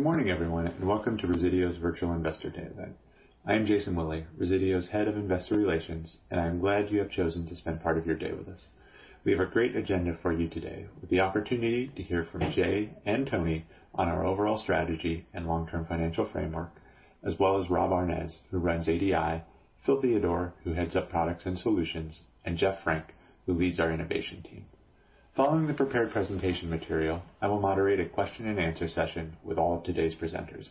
Good morning, everyone, and welcome to Resideo's Virtual Investor Day event. I am Jason Willey, Resideo's Head of Investor Relations, and I'm glad you have chosen to spend part of your day with us. We have a great agenda for you today, with the opportunity to hear from Jay and Tony on our overall strategy and long-term financial framework, as well as Rob Aarnes, who runs ADI, Phil Theodore, who heads up Products & Solutions, and Jeff Frank, who leads our innovation team. Following the prepared presentation material, I will moderate a question and answer session with all of today's presenters.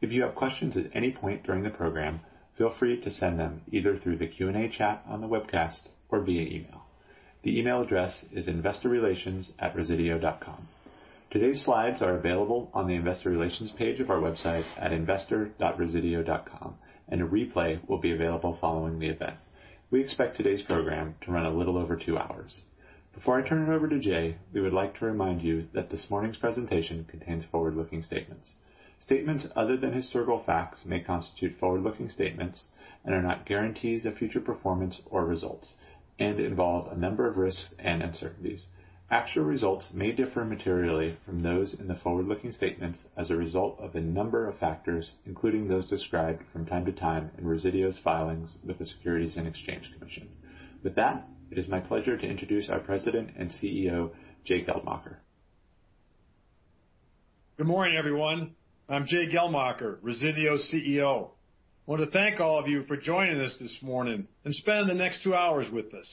If you have questions at any point during the program, feel free to send them either through the Q&A chat on the webcast or via email. The email address is investorrelations@resideo.com. Today's slides are available on the Investor Relations page of our website at investor.resideo.com, and a replay will be available following the event. We expect today's program to run a little over two hours. Before I turn it over to Jay, we would like to remind you that this morning's presentation contains forward-looking statements. Statements other than historical facts may constitute forward-looking statements and are not guarantees of future performance or results and involve a number of risks and uncertainties. Actual results may differ materially from those in the forward-looking statements as a result of a number of factors, including those described from time to time in Resideo's filings with the Securities and Exchange Commission. With that, it is my pleasure to introduce our President and CEO, Jay Geldmacher. Good morning, everyone. I'm Jay Geldmacher, Resideo's CEO. I want to thank all of you for joining us this morning and spend the next two hours with us.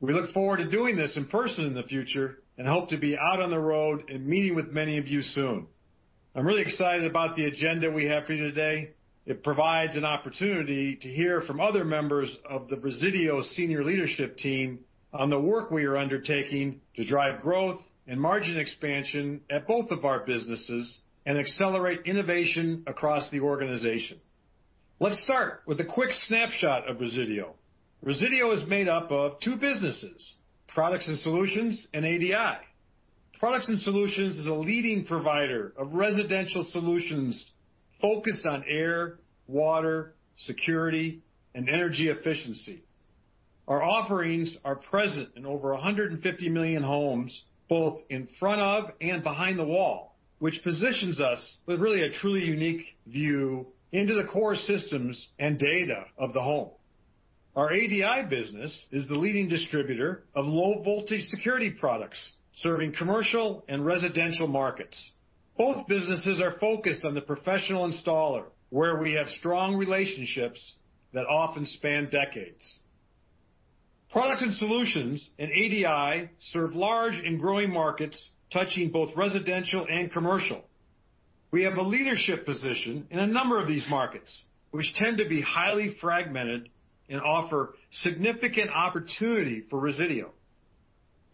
We look forward to doing this in person in the future and hope to be out on the road and meeting with many of you soon. I'm really excited about the agenda we have for you today. It provides an opportunity to hear from other members of the Resideo senior leadership team on the work we are undertaking to drive growth and margin expansion at both of our businesses and accelerate innovation across the organization. Let's start with a quick snapshot of Resideo. Resideo is made up of two businesses, Products & Solutions and ADI. Products & Solutions is a leading provider of residential solutions focused on air, water, security, and energy efficiency. Our offerings are present in over 150 million homes, both in front of and behind the wall, which positions us with really a truly unique view into the core systems and data of the home. Our ADI business is the leading distributor of low-voltage security products, serving commercial and residential markets. Both businesses are focused on the professional installer, where we have strong relationships that often span decades. Products & Solutions and ADI serve large and growing markets touching both residential and commercial. We have a leadership position in a number of these markets, which tend to be highly fragmented and offer significant opportunity for Resideo.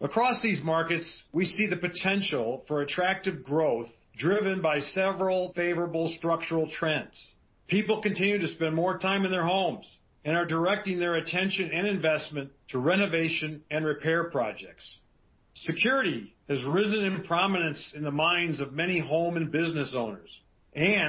Across these markets, we see the potential for attractive growth driven by several favorable structural trends. People continue to spend more time in their homes and are directing their attention and investment to renovation and repair projects. Security has risen in prominence in the minds of many home and business owners.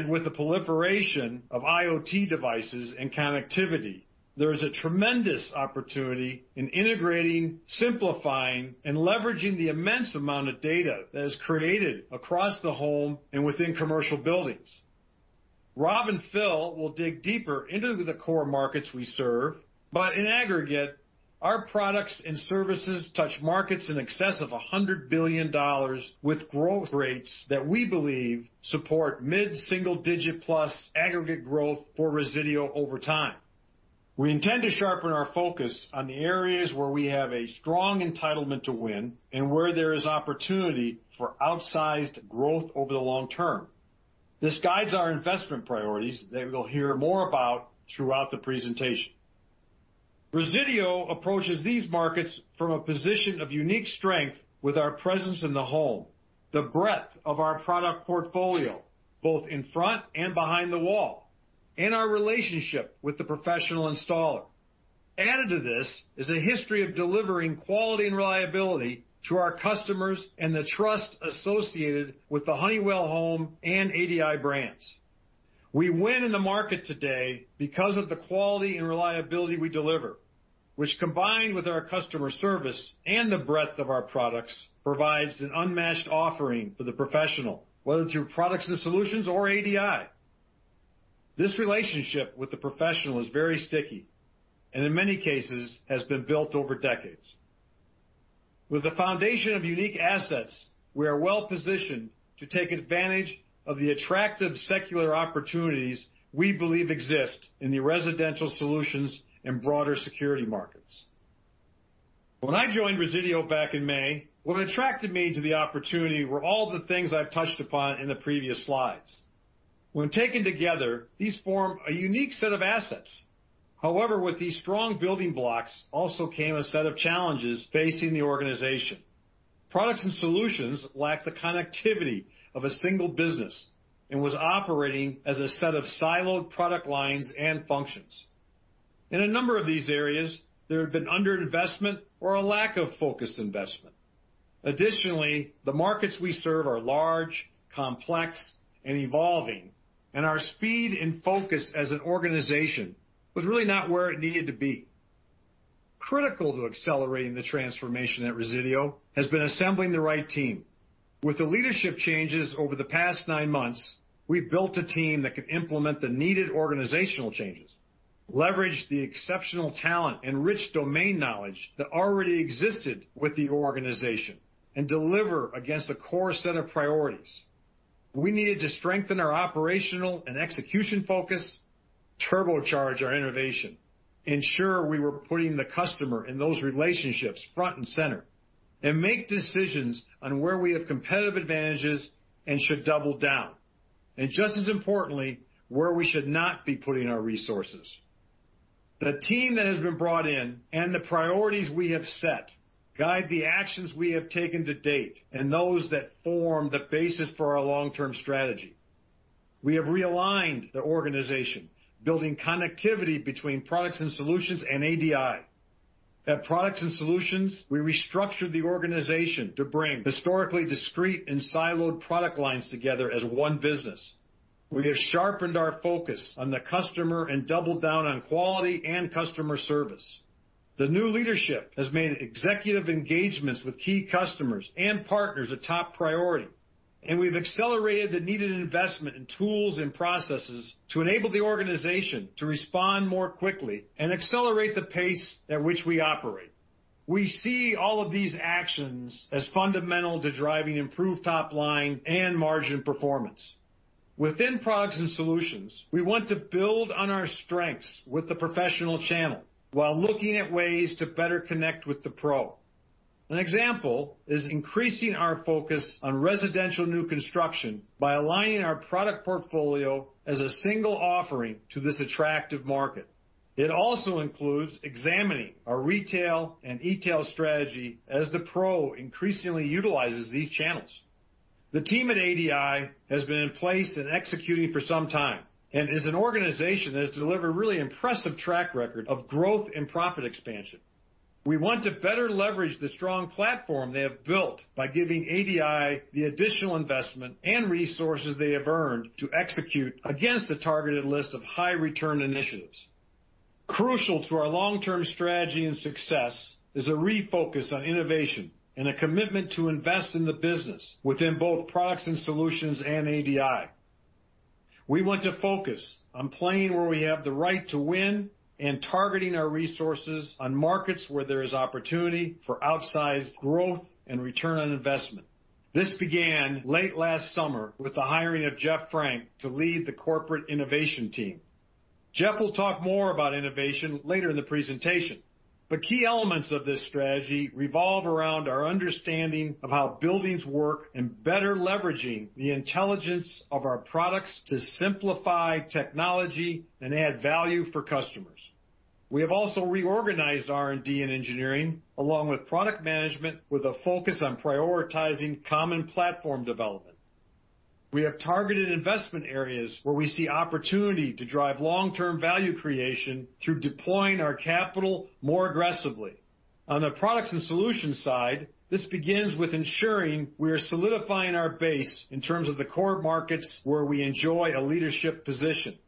With the proliferation of IoT devices and connectivity, there is a tremendous opportunity in integrating, simplifying, and leveraging the immense amount of data that is created across the home and within commercial buildings. Rob and Phil will dig deeper into the core markets we serve, but in aggregate, our products and services touch markets in excess of $100 billion with growth rates that we believe support mid-single-digit plus aggregate growth for Resideo over time. We intend to sharpen our focus on the areas where we have a strong entitlement to win and where there is opportunity for outsized growth over the long term. This guides our investment priorities that we'll hear more about throughout the presentation. Resideo approaches these markets from a position of unique strength with our presence in the home, the breadth of our product portfolio, both in front and behind the wall, and our relationship with the professional installer. Added to this is a history of delivering quality and reliability to our customers and the trust associated with the Honeywell Home and ADI brands. We win in the market today because of the quality and reliability we deliver, which combined with our customer service and the breadth of our products, provides an unmatched offering for the professional, whether through Products & Solutions or ADI. This relationship with the professional is very sticky, and in many cases has been built over decades. With a foundation of unique assets, we are well positioned to take advantage of the attractive secular opportunities we believe exist in the residential solutions and broader security markets. When I joined Resideo back in May, what attracted me to the opportunity were all the things I've touched upon in the previous slides. When taken together, these form a unique set of assets. However, with these strong building blocks also came a set of challenges facing the organization. Products & Solutions lacked the connectivity of a single business and was operating as a set of siloed product lines and functions. In a number of these areas, there had been underinvestment or a lack of focused investment. Additionally, the markets we serve are large, complex and evolving, and our speed and focus as an organization was really not where it needed to be. Critical to accelerating the transformation at Resideo has been assembling the right team. With the leadership changes over the past nine months, we've built a team that can implement the needed organizational changes, leverage the exceptional talent and rich domain knowledge that already existed with the organization, and deliver against a core set of priorities. We needed to strengthen our operational and execution focus, turbocharge our innovation, ensure we were putting the customer and those relationships front and center, and make decisions on where we have competitive advantages and should double down. Just as importantly, where we should not be putting our resources. The team that has been brought in and the priorities we have set guide the actions we have taken to date and those that form the basis for our long-term strategy. We have realigned the organization, building connectivity between Products & Solutions and ADI. At Products & Solutions, we restructured the organization to bring historically discrete and siloed product lines together as one business. We have sharpened our focus on the customer and doubled down on quality and customer service. The new leadership has made executive engagements with key customers and partners a top priority, and we've accelerated the needed investment in tools and processes to enable the organization to respond more quickly and accelerate the pace at which we operate. We see all of these actions as fundamental to driving improved top-line and margin performance. Within Products & Solutions, we want to build on our strengths with the professional channel while looking at ways to better connect with the pro. An example is increasing our focus on residential new construction by aligning our product portfolio as a single offering to this attractive market. It also includes examining our retail and e-tail strategy as the pro increasingly utilizes these channels. The team at ADI has been in place and executing for some time and is an organization that has delivered a really impressive track record of growth and profit expansion. We want to better leverage the strong platform they have built by giving ADI the additional investment and resources they have earned to execute against the targeted list of high-return initiatives. Crucial to our long-term strategy and success is a refocus on innovation and a commitment to invest in the business within both Products & Solutions and ADI. We want to focus on playing where we have the right to win and targeting our resources on markets where there is opportunity for outsized growth and return on investment. This began late last summer with the hiring of Jeff Frank to lead the corporate innovation team. Jeff will talk more about innovation later in the presentation. The key elements of this strategy revolve around our understanding of how buildings work and better leveraging the intelligence of our products to simplify technology and add value for customers. We have also reorganized R&D and engineering along with product management with a focus on prioritizing common platform development. We have targeted investment areas where we see opportunity to drive long-term value creation through deploying our capital more aggressively. On the Products & Solutions side, this begins with ensuring we are solidifying our base in terms of the core markets where we enjoy a leadership position.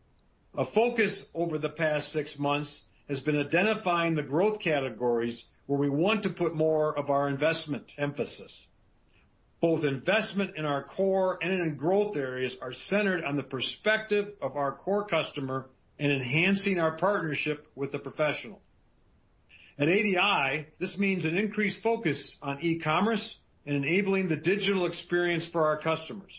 A focus over the past six months has been identifying the growth categories where we want to put more of our investment emphasis. Both investment in our core and in growth areas are centered on the perspective of our core customer and enhancing our partnership with the professional. At ADI, this means an increased focus on e-commerce and enabling the digital experience for our customers.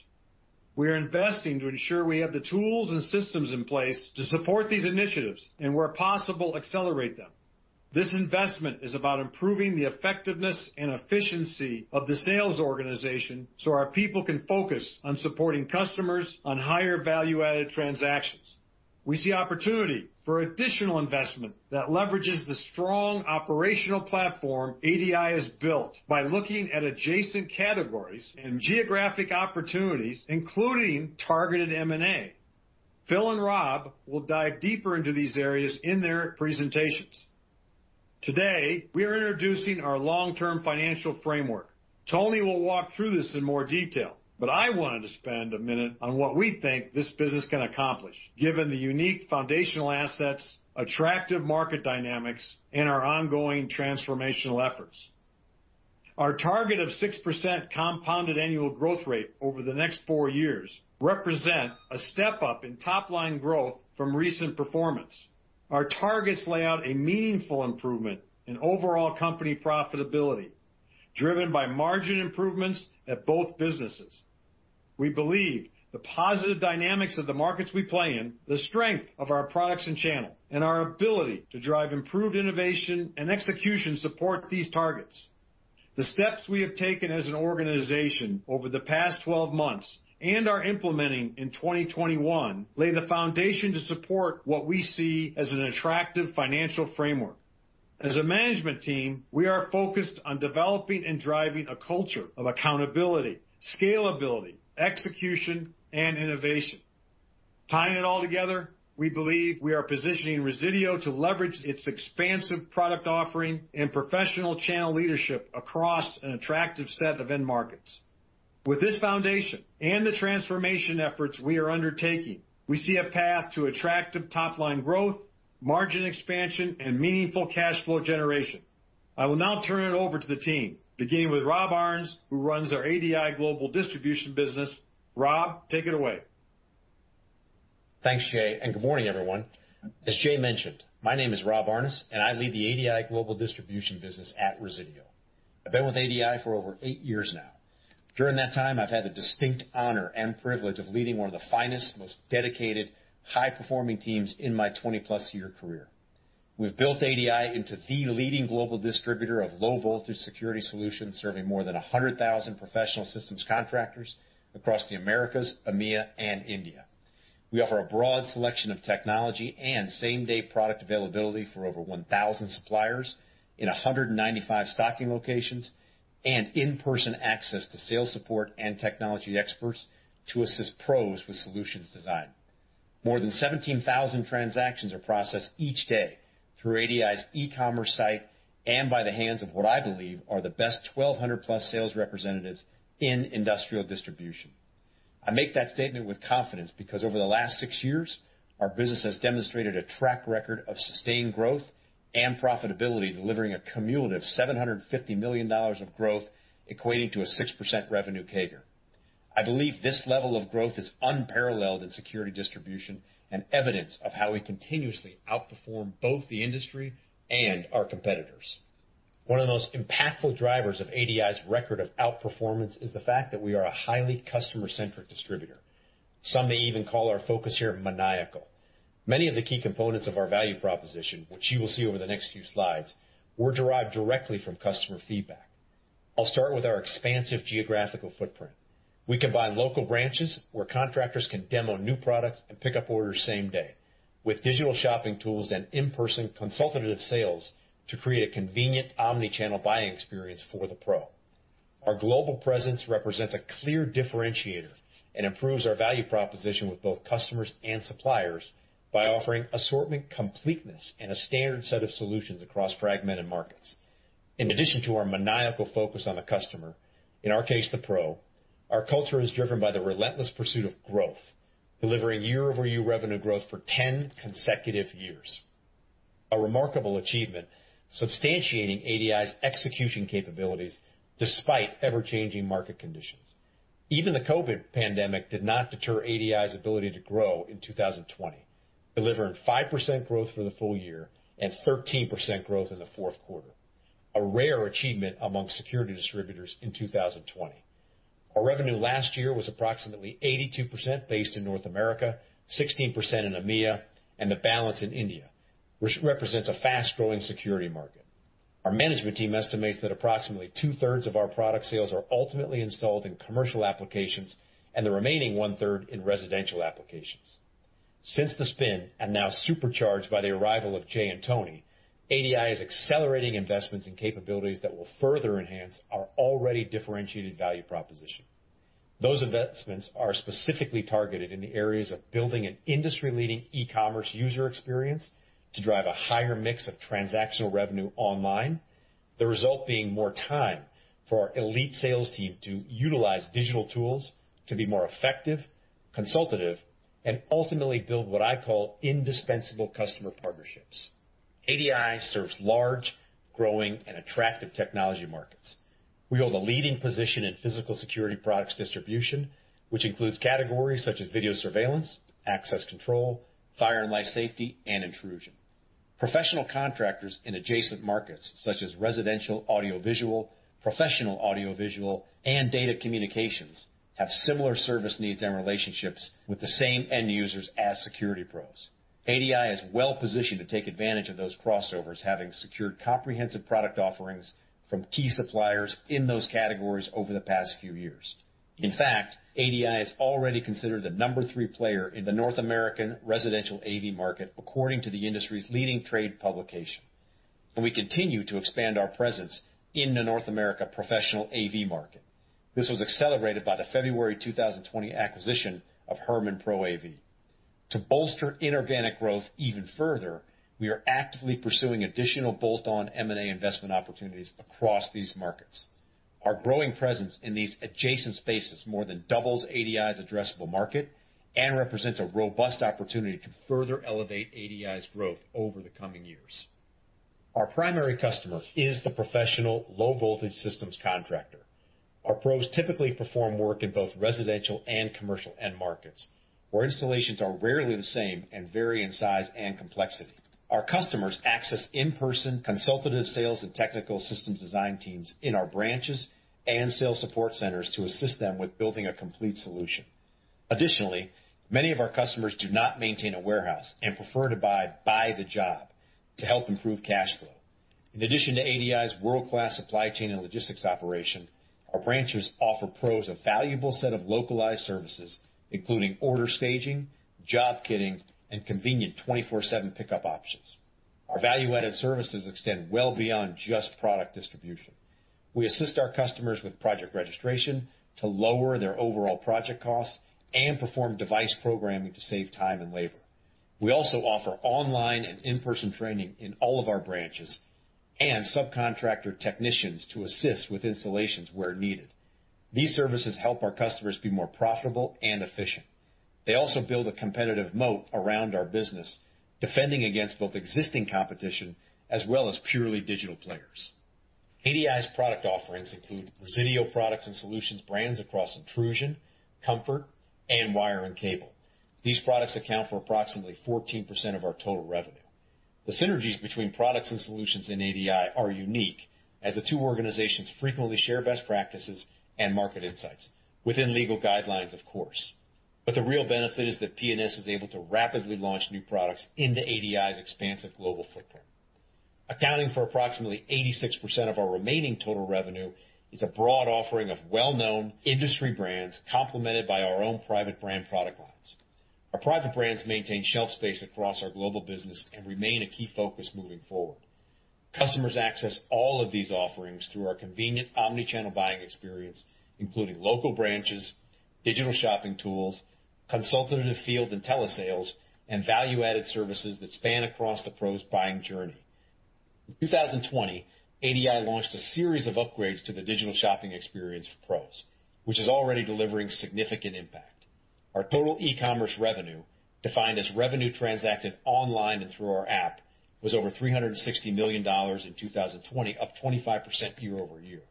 We are investing to ensure we have the tools and systems in place to support these initiatives and, where possible, accelerate them. This investment is about improving the effectiveness and efficiency of the sales organization so our people can focus on supporting customers on higher value-added transactions. We see opportunity for additional investment that leverages the strong operational platform ADI has built by looking at adjacent categories and geographic opportunities, including targeted M&A. Phil and Rob will dive deeper into these areas in their presentations. Today, we are introducing our long-term financial framework. Tony will walk through this in more detail, but I wanted to spend a minute on what we think this business can accomplish, given the unique foundational assets, attractive market dynamics, and our ongoing transformational efforts. Our target of 6% CAGR over the next four years represent a step up in top-line growth from recent performance. Our targets lay out a meaningful improvement in overall company profitability, driven by margin improvements at both businesses. We believe the positive dynamics of the markets we play in, the strength of our products and channel, and our ability to drive improved innovation and execution support these targets. The steps we have taken as an organization over the past 12 months and are implementing in 2021 lay the foundation to support what we see as an attractive financial framework. As a management team, we are focused on developing and driving a culture of accountability, scalability, execution, and innovation. Tying it all together, we believe we are positioning Resideo to leverage its expansive product offering and professional channel leadership across an attractive set of end markets. With this foundation and the transformation efforts we are undertaking, we see a path to attractive top-line growth, margin expansion, and meaningful cash flow generation. I will now turn it over to the team, beginning with Rob Aarnes, who runs our ADI Global Distribution business. Rob, take it away. Thanks, Jay. Good morning, everyone. As Jay mentioned, my name is Rob Aarnes, and I lead the ADI Global Distribution business at Resideo. I've been with ADI for over eight years now. During that time, I've had the distinct honor and privilege of leading one of the finest, most dedicated, high-performing teams in my 20+ year career. We've built ADI into the leading global distributor of low-voltage security solutions, serving more than 100,000 professional systems contractors across the Americas, EMEA, and India. We offer a broad selection of technology and same-day product availability for over 1,000 suppliers in 195 stocking locations and in-person access to sales support and technology experts to assist pros with solutions design. More than 17,000 transactions are processed each day through ADI's e-commerce site and by the hands of, what I believe, are the best 1,200+ sales representatives in industrial distribution. I make that statement with confidence because over the last six years, our business has demonstrated a track record of sustained growth and profitability, delivering a cumulative $750 million of growth, equating to a 6% revenue CAGR. I believe this level of growth is unparalleled in security distribution and evidence of how we continuously outperform both the industry and our competitors. One of the most impactful drivers of ADI's record of outperformance is the fact that we are a highly customer-centric distributor. Some may even call our focus here maniacal. Many of the key components of our value proposition, which you will see over the next few slides, were derived directly from customer feedback. I'll start with our expansive geographical footprint. We combine local branches, where contractors can demo new products and pick up orders same day, with digital shopping tools and in-person consultative sales to create a convenient omni-channel buying experience for the pro. Our global presence represents a clear differentiator and improves our value proposition with both customers and suppliers by offering assortment completeness and a standard set of solutions across fragmented markets. In addition to our maniacal focus on the customer, in our case, the pro, our culture is driven by the relentless pursuit of growth, delivering year-over-year revenue growth for 10 consecutive years. A remarkable achievement substantiating ADI's execution capabilities despite ever-changing market conditions. Even the COVID pandemic did not deter ADI's ability to grow in 2020, delivering 5% growth for the full year and 13% growth in the fourth quarter, a rare achievement among security distributors in 2020. Our revenue last year was approximately 82% based in North America, 16% in EMEA, and the balance in India, which represents a fast-growing security market. Our management team estimates that approximately two-thirds of our product sales are ultimately installed in commercial applications and the remaining one-third in residential applications. Since the spin, and now supercharged by the arrival of Jay and Tony, ADI is accelerating investments in capabilities that will further enhance our already differentiated value proposition. Those investments are specifically targeted in the areas of building an industry-leading e-commerce user experience to drive a higher mix of transactional revenue online. The result being more time for our elite sales team to utilize digital tools to be more effective, consultative, and ultimately build what I call indispensable customer partnerships. ADI serves large, growing, and attractive technology markets. We hold a leading position in physical security products distribution, which includes categories such as video surveillance, access control, fire and life safety, and intrusion. Professional contractors in adjacent markets such as residential audiovisual, professional audiovisual, and data communications, have similar service needs and relationships with the same end users as security pros. ADI is well-positioned to take advantage of those crossovers, having secured comprehensive product offerings from key suppliers in those categories over the past few years. In fact, ADI is already considered the number three player in the North American residential AV market, according to the industry's leading trade publication. We continue to expand our presence in the North America professional AV market. This was accelerated by the February 2020 acquisition of Herman ProAV. To bolster inorganic growth even further, we are actively pursuing additional bolt-on M&A investment opportunities across these markets. Our growing presence in these adjacent spaces more than doubles ADI's addressable market and represents a robust opportunity to further elevate ADI's growth over the coming years. Our primary customer is the professional low-voltage systems contractor. Our pros typically perform work in both residential and commercial end markets, where installations are rarely the same and vary in size and complexity. Our customers access in-person consultative sales and technical systems design teams in our branches and sales support centers to assist them with building a complete solution. Additionally, many of our customers do not maintain a warehouse and prefer to buy the job to help improve cash flow. In addition to ADI's world-class supply chain and logistics operation, our branches offer pros a valuable set of localized services, including order staging, job kitting, and convenient 24/7 pickup options. Our value-added services extend well beyond just product distribution. We assist our customers with project registration to lower their overall project costs and perform device programming to save time and labor. We also offer online and in-person training in all of our branches and subcontractor technicians to assist with installations where needed. These services help our customers be more profitable and efficient. They also build a competitive moat around our business, defending against both existing competition as well as purely digital players. ADI's product offerings include Resideo Products and Solutions brands across intrusion, comfort, and wire and cable. These products account for approximately 14% of our total revenue. The synergies between products and solutions in ADI are unique, as the two organizations frequently share best practices and market insights, within legal guidelines, of course. The real benefit is that P&S is able to rapidly launch new products into ADI's expansive global footprint. Accounting for approximately 86% of our remaining total revenue, is a broad offering of well-known industry brands complemented by our own private brand product lines. Our private brands maintain shelf space across our global business and remain a key focus moving forward. Customers access all of these offerings through our convenient omni-channel buying experience, including local branches, digital shopping tools, consultative field and telesales, and value-added services that span across the pro's buying journey. In 2020, ADI launched a series of upgrades to the digital shopping experience for pros, which is already delivering significant impact. Our total e-commerce revenue, defined as revenue transacted online and through our app, was over $360 million in 2020, up 25% year-over-year.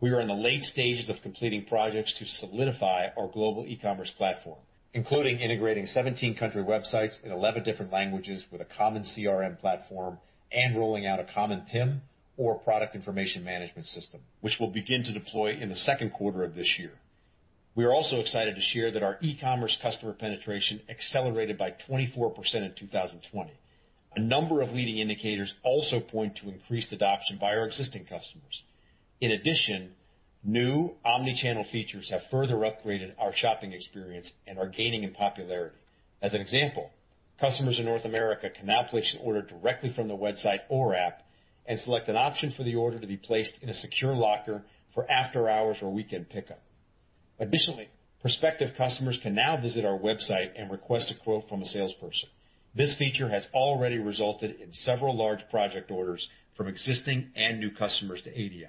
We are in the late stages of completing projects to solidify our global e-commerce platform, including integrating 17 country websites in 11 different languages with a common CRM platform and rolling out a common PIM, or product information management system, which we'll begin to deploy in the second quarter of this year. We are also excited to share that our e-commerce customer penetration accelerated by 24% in 2020. A number of leading indicators also point to increased adoption by our existing customers. In addition, new omni-channel features have further upgraded our shopping experience and are gaining in popularity. As an example, customers in North America can now place an order directly from the website or app and select an option for the order to be placed in a secure locker for after-hours or weekend pickup. Additionally, prospective customers can now visit our website and request a quote from a salesperson. This feature has already resulted in several large project orders from existing and new customers to ADI.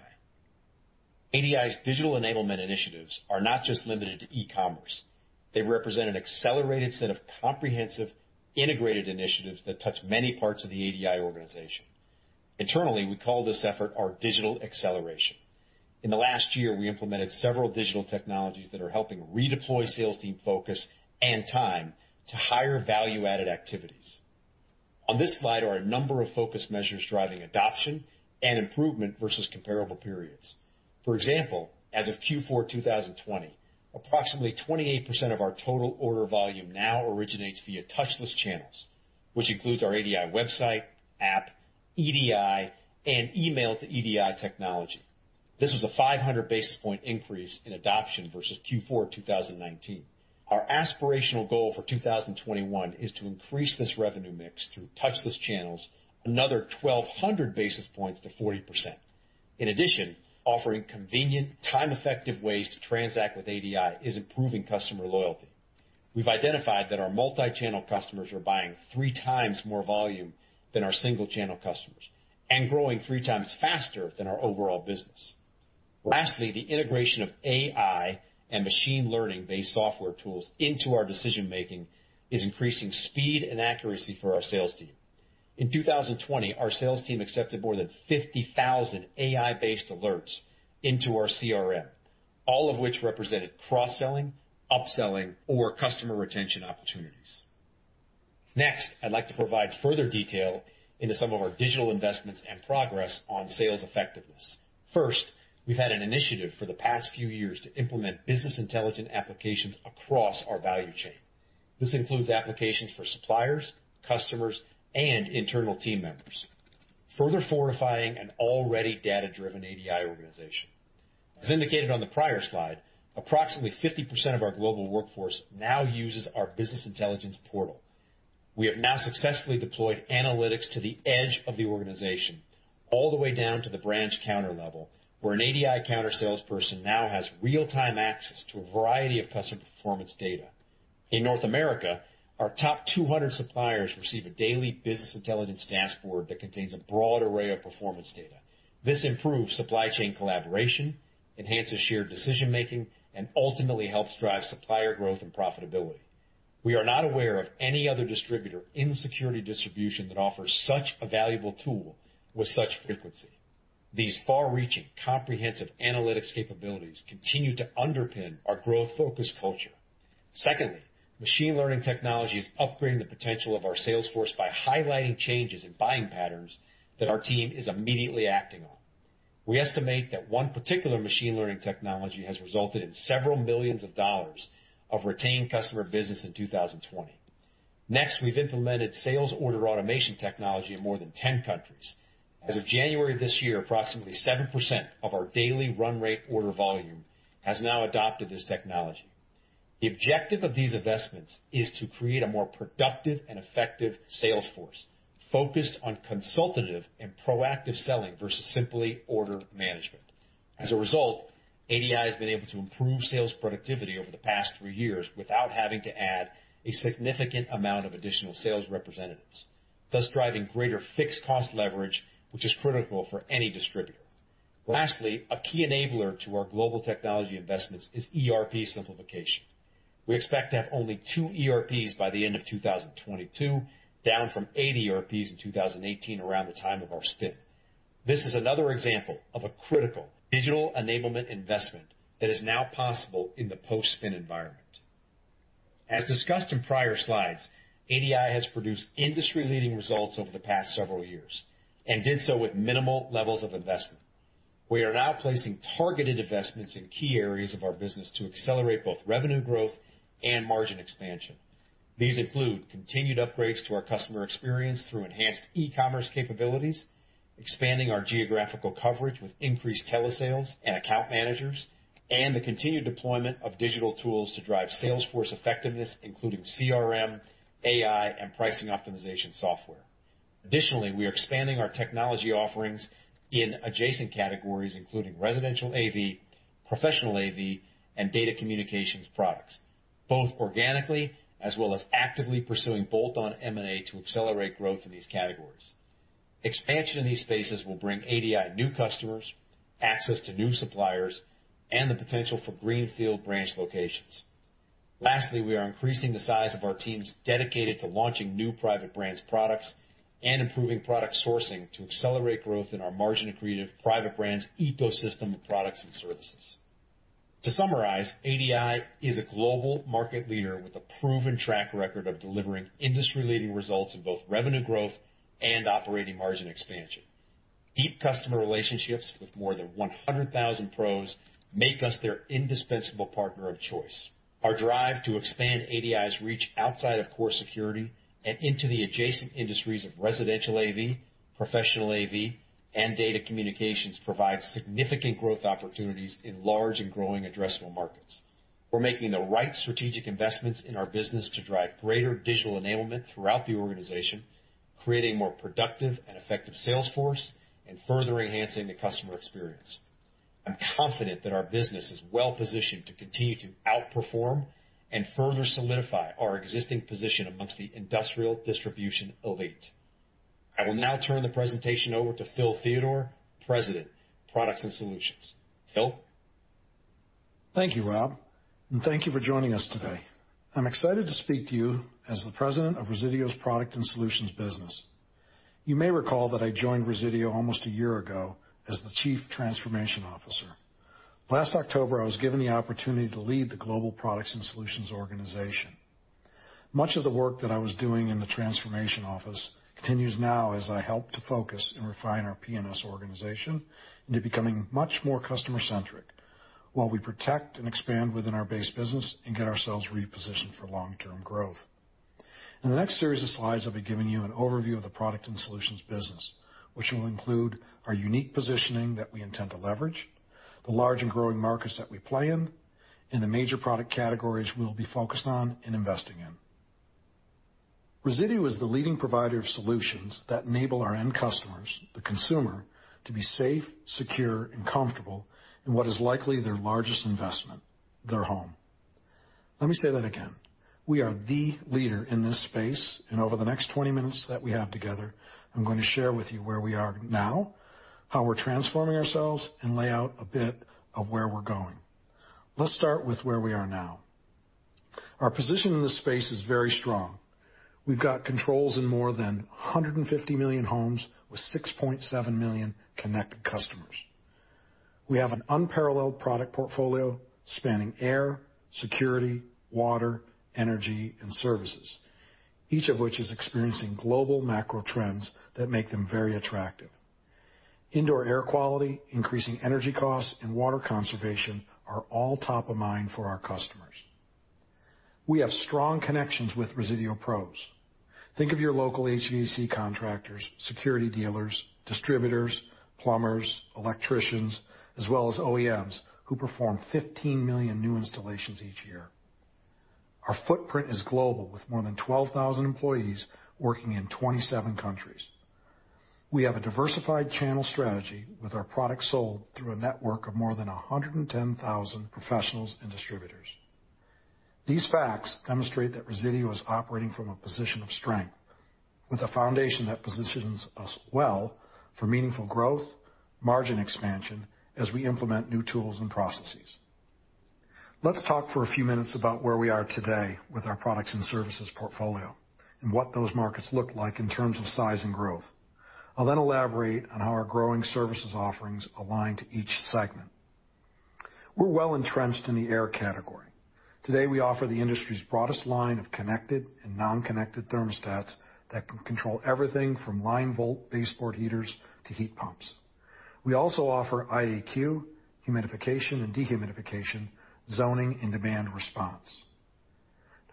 ADI's digital enablement initiatives are not just limited to e-commerce. They represent an accelerated set of comprehensive, integrated initiatives that touch many parts of the ADI organization. Internally, we call this effort our digital acceleration. In the last year, we implemented several digital technologies that are helping redeploy sales team focus and time to higher value-added activities. On this slide are a number of focus measures driving adoption and improvement versus comparable periods. For example, as of Q4 2020, approximately 28% of our total order volume now originates via touchless channels, which includes our ADI website, app, EDI, and email to EDI technology. This was a 500 basis point increase in adoption versus Q4 2019. Our aspirational goal for 2021 is to increase this revenue mix through touchless channels another 1,200 basis points to 40%. Offering convenient, time-effective ways to transact with ADI is improving customer loyalty. We've identified that our multi-channel customers are buying 3x more volume than our single-channel customers and growing 3x faster than our overall business. The integration of AI and machine learning-based software tools into our decision-making is increasing speed and accuracy for our sales team. In 2020, our sales team accepted more than 50,000 AI-based alerts into our CRM, all of which represented cross-selling, upselling, or customer retention opportunities. I'd like to provide further detail into some of our digital investments and progress on sales effectiveness. We've had an initiative for the past few years to implement business intelligent applications across our value chain. This includes applications for suppliers, customers, and internal team members, further fortifying an already data-driven ADI organization. As indicated on the prior slide, approximately 50% of our global workforce now uses our business intelligence portal. We have now successfully deployed analytics to the edge of the organization, all the way down to the branch counter level, where an ADI counter salesperson now has real-time access to a variety of customer performance data. In North America, our top 200 suppliers receive a daily business intelligence dashboard that contains a broad array of performance data. This improves supply chain collaboration, enhances shared decision-making, and ultimately helps drive supplier growth and profitability. We are not aware of any other distributor in security distribution that offers such a valuable tool with such frequency. These far-reaching, comprehensive analytics capabilities continue to underpin our growth focus culture. Secondly, machine learning technology is upgrading the potential of our sales force by highlighting changes in buying patterns that our team is immediately acting on. We estimate that one particular machine learning technology has resulted in several millions of dollars of retained customer business in 2020. Next, we've implemented sales order automation technology in more than 10 countries. As of January this year, approximately 7% of our daily run rate order volume has now adopted this technology. The objective of these investments is to create a more productive and effective sales force focused on consultative and proactive selling versus simply order management. As a result, ADI has been able to improve sales productivity over the past three years without having to add a significant amount of additional sales representatives, thus driving greater fixed cost leverage, which is critical for any distributor. Lastly, a key enabler to our global technology investments is ERP simplification. We expect to have only two ERPs by the end of 2022, down from eight ERPs in 2018, around the time of our spin. This is another example of a critical digital enablement investment that is now possible in the post-spin environment. As discussed in prior slides, ADI has produced industry-leading results over the past several years and did so with minimal levels of investment. We are now placing targeted investments in key areas of our business to accelerate both revenue growth and margin expansion. These include continued upgrades to our customer experience through enhanced e-commerce capabilities, expanding our geographical coverage with increased telesales and account managers, and the continued deployment of digital tools to drive sales force effectiveness, including CRM, AI, and pricing optimization software. Additionally, we are expanding our technology offerings in adjacent categories, including residential AV, professional AV, and data communications products, both organically as well as actively pursuing bolt-on M&A to accelerate growth in these categories. Expansion in these spaces will bring ADI new customers, access to new suppliers, and the potential for greenfield branch locations. Lastly, we are increasing the size of our teams dedicated to launching new private brands products, and improving product sourcing to accelerate growth in our margin-accretive private brands ecosystem of products and services. To summarize, ADI is a global market leader with a proven track record of delivering industry-leading results in both revenue growth and operating margin expansion. Deep customer relationships with more than 100,000 pros make us their indispensable partner of choice. Our drive to expand ADI's reach outside of core security and into the adjacent industries of residential AV, professional AV, and data communications provides significant growth opportunities in large and growing addressable markets. We're making the right strategic investments in our business to drive greater digital enablement throughout the organization, creating a more productive and effective sales force, and further enhancing the customer experience. I'm confident that our business is well-positioned to continue to outperform and further solidify our existing position amongst the industrial distribution elite. I will now turn the presentation over to Phil Theodore, President, Products & Solutions. Phil? Thank you, Rob, and thank you for joining us today. I'm excited to speak to you as the President of Resideo's Products & Solutions business. You may recall that I joined Resideo almost a year ago as the Chief Transformation Officer. Last October, I was given the opportunity to lead the global Products & Solutions organization. Much of the work that I was doing in the transformation office continues now as I help to focus and refine our P&S organization into becoming much more customer-centric while we protect and expand within our base business and get ourselves repositioned for long-term growth. In the next series of slides, I'll be giving you an overview of the Products & Solutions business, which will include our unique positioning that we intend to leverage, the large and growing markets that we play in, and the major product categories we'll be focused on and investing in. Resideo is the leading provider of solutions that enable our end customers, the consumer, to be safe, secure, and comfortable in what is likely their largest investment, their home. Let me say that again. We are the leader in this space, and over the next 20 minutes that we have together, I'm going to share with you where we are now, how we're transforming ourselves, and lay out a bit of where we're going. Let's start with where we are now. Our position in this space is very strong. We've got controls in more than 150 million homes with 6.7 million connected customers. We have an unparalleled product portfolio spanning air, security, water, energy, and services, each of which is experiencing global macro trends that make them very attractive. Indoor air quality, increasing energy costs, and water conservation are all top of mind for our customers. We have strong connections with Resideo pros. Think of your local HVAC contractors, security dealers, distributors, plumbers, electricians, as well as OEMs, who perform 15 million new installations each year. Our footprint is global, with more than 12,000 employees working in 27 countries. We have a diversified channel strategy with our products sold through a network of more than 110,000 professionals and distributors. These facts demonstrate that Resideo is operating from a position of strength with a foundation that positions us well for meaningful growth, margin expansion, as we implement new tools and processes. Let's talk for a few minutes about where we are today with our products and services portfolio and what those markets look like in terms of size and growth. I'll then elaborate on how our growing services offerings align to each segment. We're well-entrenched in the air category. Today, we offer the industry's broadest line of connected and non-connected thermostats that can control everything from line volt baseboard heaters to heat pumps. We also offer IAQ, humidification, and dehumidification, zoning, and demand response.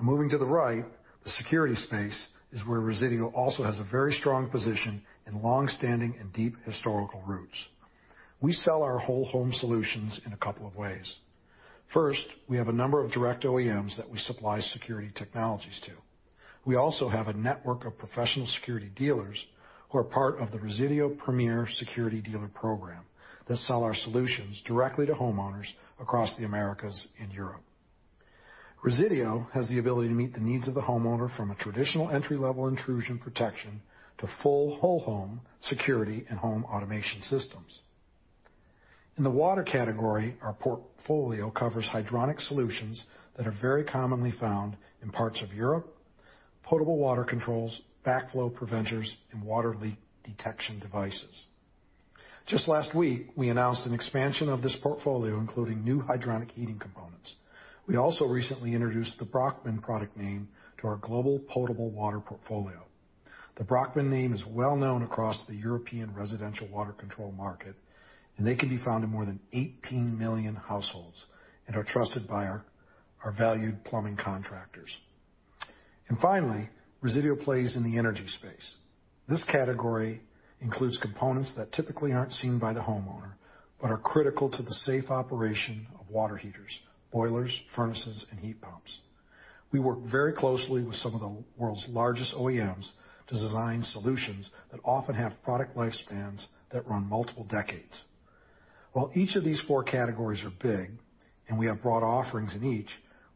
Moving to the right, the security space is where Resideo also has a very strong position and longstanding and deep historical roots. We sell our whole home solutions in a couple of ways. First, we have a number of direct OEMs that we supply security technologies to. We also have a network of professional security dealers who are part of the Resideo Premier Security Dealer program that sell our solutions directly to homeowners across the Americas and Europe. Resideo has the ability to meet the needs of the homeowner from a traditional entry-level intrusion protection to full whole-home security and home automation systems. In the water category, our portfolio covers hydronic solutions that are very commonly found in parts of Europe, potable water controls, backflow preventers, and water leak detection devices. Just last week, we announced an expansion of this portfolio, including new hydronic heating components. We also recently introduced the Braukmann product name to our global potable water portfolio. The Braukmann name is well-known across the European residential water control market, and they can be found in more than 18 million households and are trusted by our valued plumbing contractors. Finally, Resideo plays in the energy space. This category includes components that typically aren't seen by the homeowner, but are critical to the safe operation of water heaters, boilers, furnaces, and heat pumps. We work very closely with some of the world's largest OEMs to design solutions that often have product lifespans that run multiple decades. While each of these four categories are big and we have broad offerings in each,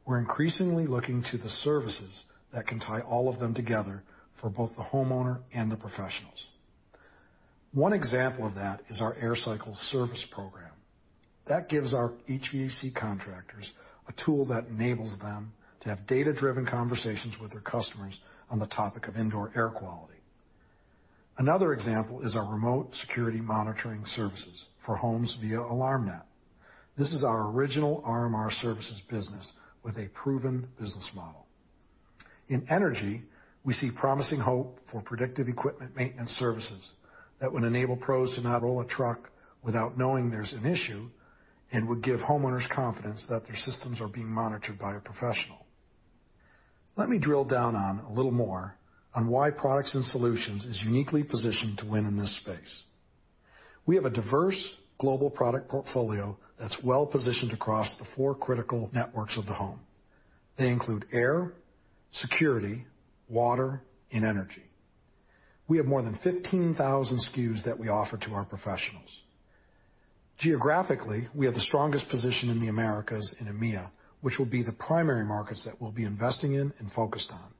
we're increasingly looking to the services that can tie all of them together for both the homeowner and the professionals. One example of that is our AirCycle service program. That gives our HVAC contractors a tool that enables them to have data-driven conversations with their customers on the topic of indoor air quality. Another example is our remote security monitoring services for homes via AlarmNet. This is our original RMR services business with a proven business model. In energy, we see promising hope for predictive equipment maintenance services that would enable pros to not roll a truck without knowing there's an issue and would give homeowners confidence that their systems are being monitored by a professional. Let me drill down on a little more on why Products & Solutions is uniquely positioned to win in this space. We have a diverse global product portfolio that's well-positioned across the four critical networks of the home. They include air, security, water, and energy. We have more than 15,000 SKUs that we offer to our professionals. Geographically, we have the strongest position in the Americas and EMEA, which will be the primary markets that we'll be investing in and focused on.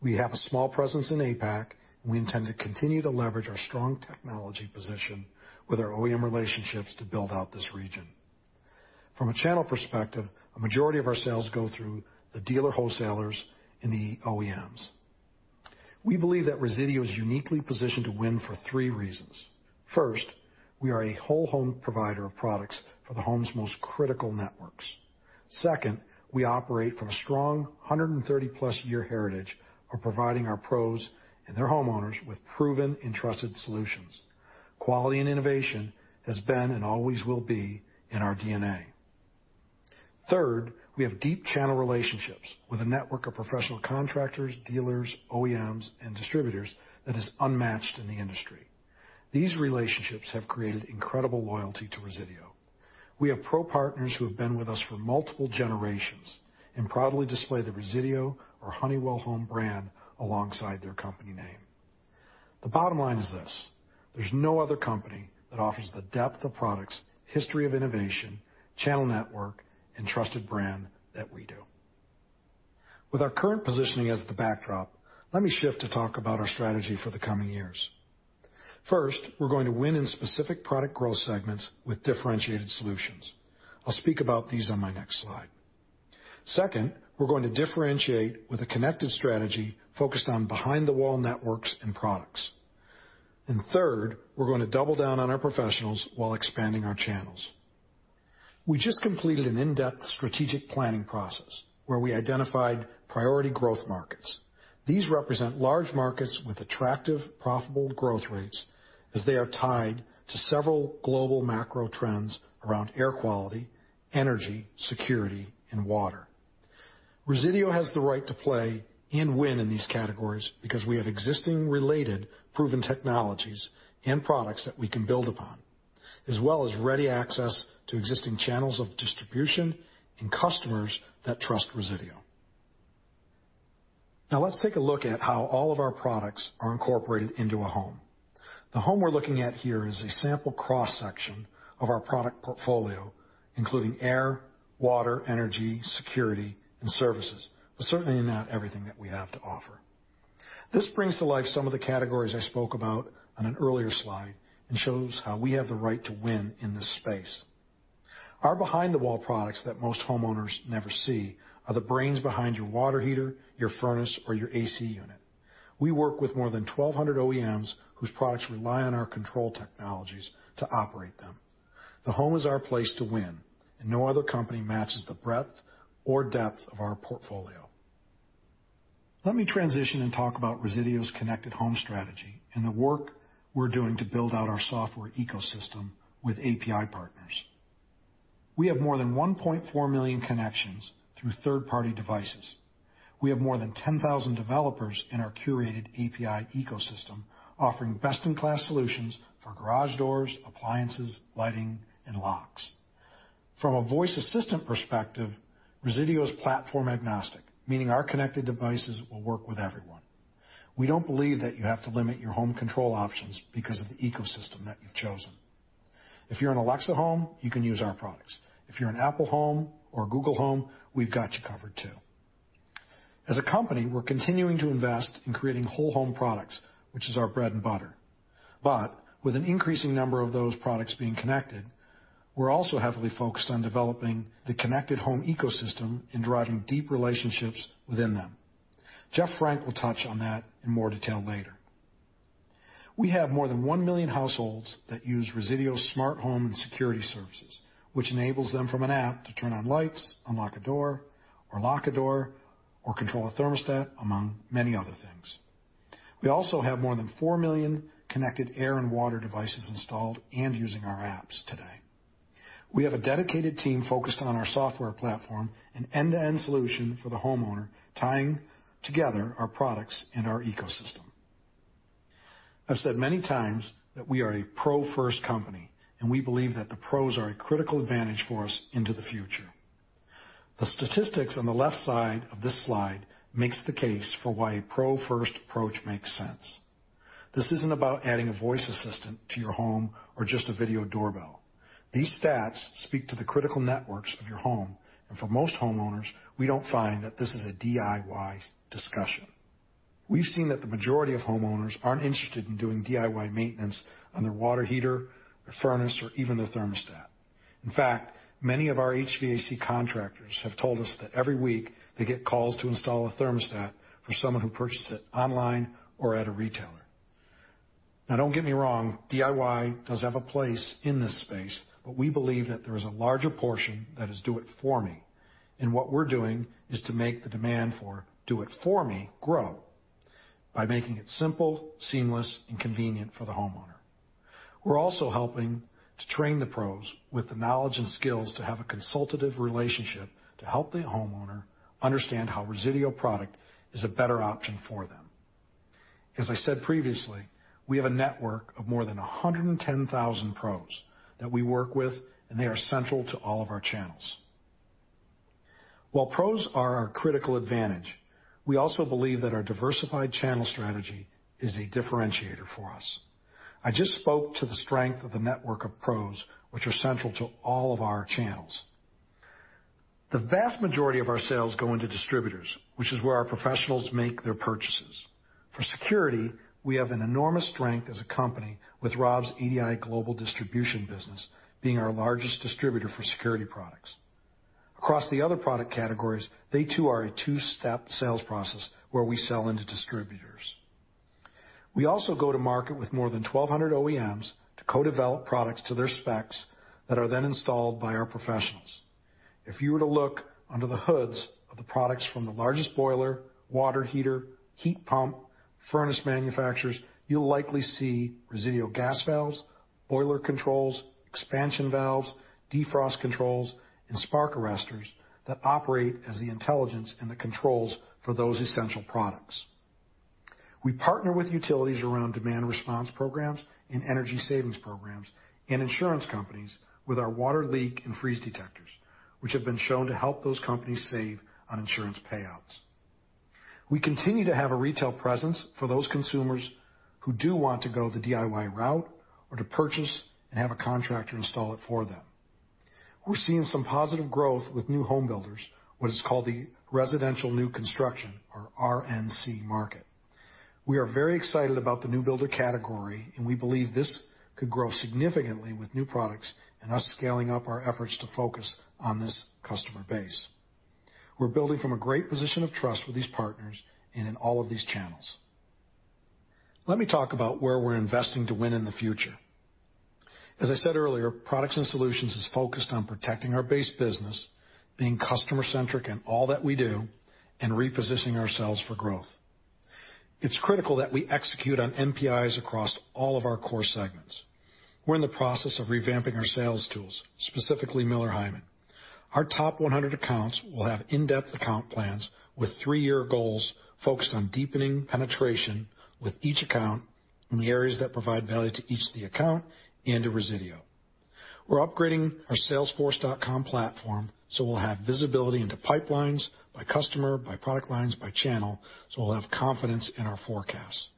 We have a small presence in APAC, and we intend to continue to leverage our strong technology position with our OEM relationships to build out this region. From a channel perspective, a majority of our sales go through the dealer wholesalers and the OEMs. We believe that Resideo is uniquely positioned to win for three reasons. First, we are a whole-home provider of products for the home's most critical networks. Second, we operate from a strong 130-plus-year heritage of providing our pros and their homeowners with proven and trusted solutions. Quality and innovation has been and always will be in our DNA. Third, we have deep channel relationships with a network of professional contractors, dealers, OEMs, and distributors that is unmatched in the industry. These relationships have created incredible loyalty to Resideo. We have pro partners who have been with us for multiple generations and proudly display the Resideo or Honeywell Home brand alongside their company name. The bottom line is this: There's no other company that offers the depth of products, history of innovation, channel network, and trusted brand that we do. With our current positioning as the backdrop, let me shift to talk about our strategy for the coming years. First, we're going to win in specific product growth segments with differentiated solutions. I'll speak about these on my next slide. Second, we're going to differentiate with a connected strategy focused on behind-the-wall networks and products. Third, we're going to double down on our professionals while expanding our channels. We just completed an in-depth strategic planning process where we identified priority growth markets. These represent large markets with attractive profitable growth rates as they are tied to several global macro trends around air quality, energy, security, and water. Resideo has the right to play and win in these categories because we have existing related proven technologies and products that we can build upon, as well as ready access to existing channels of distribution and customers that trust Resideo. Now, let's take a look at how all of our products are incorporated into a home. The home we're looking at here is a sample cross-section of our product portfolio, including air, water, energy, security, and services, but certainly not everything that we have to offer. This brings to life some of the categories I spoke about on an earlier slide and shows how we have the right to win in this space. Our behind-the-wall products that most homeowners never see are the brains behind your water heater, your furnace, or your AC unit. We work with more than 1,200 OEMs whose products rely on our control technologies to operate them. The home is our place to win. No other company matches the breadth or depth of our portfolio. Let me transition and talk about Resideo's connected home strategy and the work we're doing to build out our software ecosystem with API partners. We have more than 1.4 million connections through third-party devices. We have more than 10,000 developers in our curated API ecosystem offering best-in-class solutions for garage doors, appliances, lighting, and locks. From a voice assistant perspective, Resideo is platform agnostic, meaning our connected devices will work with everyone. We don't believe that you have to limit your home control options because of the ecosystem that you've chosen. If you're an Alexa home, you can use our products. If you're an Apple home or Google Home, we've got you covered too. As a company, we're continuing to invest in creating whole home products, which is our bread and butter. With an increasing number of those products being connected, we're also heavily focused on developing the connected home ecosystem and driving deep relationships within them. Jeff Frank will touch on that in more detail later. We have more than 1 million households that use Resideo Smart Home and Security Services, which enables them from an app to turn on lights, unlock a door, or lock a door, or control a thermostat, among many other things. We also have more than 4 million connected air and water devices installed and using our apps today. We have a dedicated team focused on our software platform, an end-to-end solution for the homeowner, tying together our products and our ecosystem. I've said many times that we are a pro first company, and we believe that the pros are a critical advantage for us into the future. The statistics on the left side of this slide makes the case for why a pro first approach makes sense. This isn't about adding a voice assistant to your home or just a video doorbell. These stats speak to the critical networks of your home, and for most homeowners, we don't find that this is a DIY discussion. We've seen that the majority of homeowners aren't interested in doing DIY maintenance on their water heater, their furnace, or even their thermostat. In fact, many of our HVAC contractors have told us that every week they get calls to install a thermostat for someone who purchased it online or at a retailer. Don't get me wrong, DIY does have a place in this space, but we believe that there is a larger portion that is do it for me. What we're doing is to make the demand for do it for me grow by making it simple, seamless, and convenient for the homeowner. We're also helping to train the pros with the knowledge and skills to have a consultative relationship to help the homeowner understand how Resideo product is a better option for them. As I said previously, we have a network of more than 110,000 pros that we work with, and they are central to all of our channels. While pros are our critical advantage, we also believe that our diversified channel strategy is a differentiator for us. I just spoke to the strength of the network of pros, which are central to all of our channels. The vast majority of our sales go into distributors, which is where our professionals make their purchases. For security, we have an enormous strength as a company with Rob's ADI Global Distribution business being our largest distributor for security products. Across the other product categories, they too are a two-step sales process where we sell into distributors. We also go to market with more than 1,200 OEMs to co-develop products to their specs that are then installed by our professionals. If you were to look under the hoods of the products from the largest boiler, water heater, heat pump, furnace manufacturers, you'll likely see Resideo gas valves, boiler controls, expansion valves, defrost controls, and spark arrestors that operate as the intelligence and the controls for those essential products. We partner with utilities around demand response programs and energy savings programs and insurance companies with our water leak and freeze detectors, which have been shown to help those companies save on insurance payouts. We continue to have a retail presence for those consumers who do want to go the DIY route or to purchase and have a contractor install it for them. We're seeing some positive growth with new home builders, what is called the residential new construction or RNC market. We are very excited about the new builder category, and we believe this could grow significantly with new products and us scaling up our efforts to focus on this customer base. We're building from a great position of trust with these partners and in all of these channels. Let me talk about where we're investing to win in the future. As I said earlier, Products & Solutions is focused on protecting our base business, being customer-centric in all that we do, and repositioning ourselves for growth. It's critical that we execute on NPIs across all of our core segments. We're in the process of revamping our sales tools, specifically Miller Heiman. Our top 100 accounts will have in-depth account plans with three-year goals focused on deepening penetration with each account in the areas that provide value to each of the account and to Resideo. We're upgrading our Salesforce.com platform, so we'll have visibility into pipelines by customer, by product lines, by channel, so we'll have confidence in our forecasts.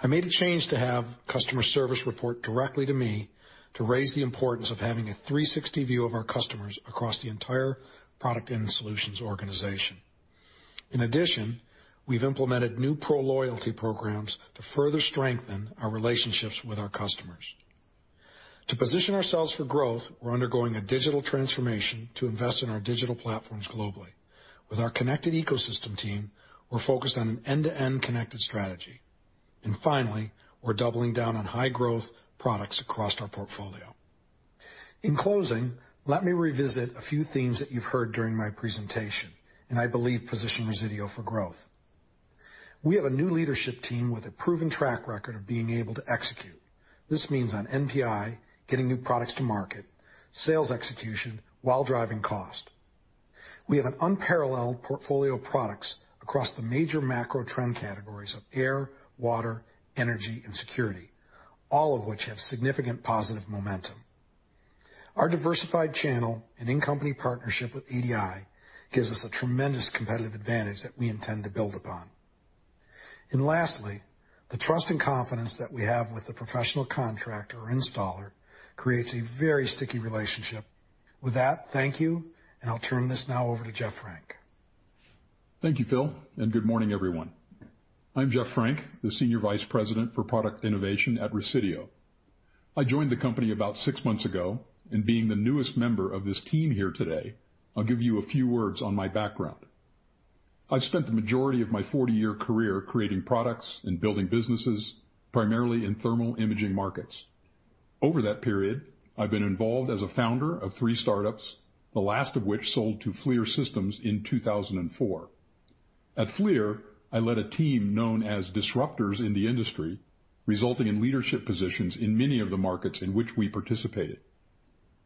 I made a change to have customer service report directly to me to raise the importance of having a 360 view of our customers across the entire Products & Solutions organization. In addition, we've implemented new pro loyalty programs to further strengthen our relationships with our customers. To position ourselves for growth, we're undergoing a digital transformation to invest in our digital platforms globally. Finally, we're doubling down on high growth products across our portfolio. In closing, let me revisit a few themes that you've heard during my presentation and I believe position Resideo for growth. We have a new leadership team with a proven track record of being able to execute. This means on NPI, getting new products to market, sales execution while driving cost. We have an unparalleled portfolio of products across the major macro trend categories of air, water, energy, and security, all of which have significant positive momentum. Our diversified channel and in-company partnership with EDI gives us a tremendous competitive advantage that we intend to build upon. Lastly, the trust and confidence that we have with the professional contractor or installer creates a very sticky relationship. With that, thank you, and I'll turn this now over to Jeff Frank. Thank you, Phil, and good morning, everyone. I'm Jeff Frank, the Senior Vice President for Product Innovation at Resideo. I joined the company about six months ago, and being the newest member of this team here today, I'll give you a few words on my background. I spent the majority of my 40-year career creating products and building businesses, primarily in thermal imaging markets. Over that period, I've been involved as a founder of three startups, the last of which sold to FLIR Systems in 2004. At FLIR, I led a team known as disruptors in the industry, resulting in leadership positions in many of the markets in which we participated.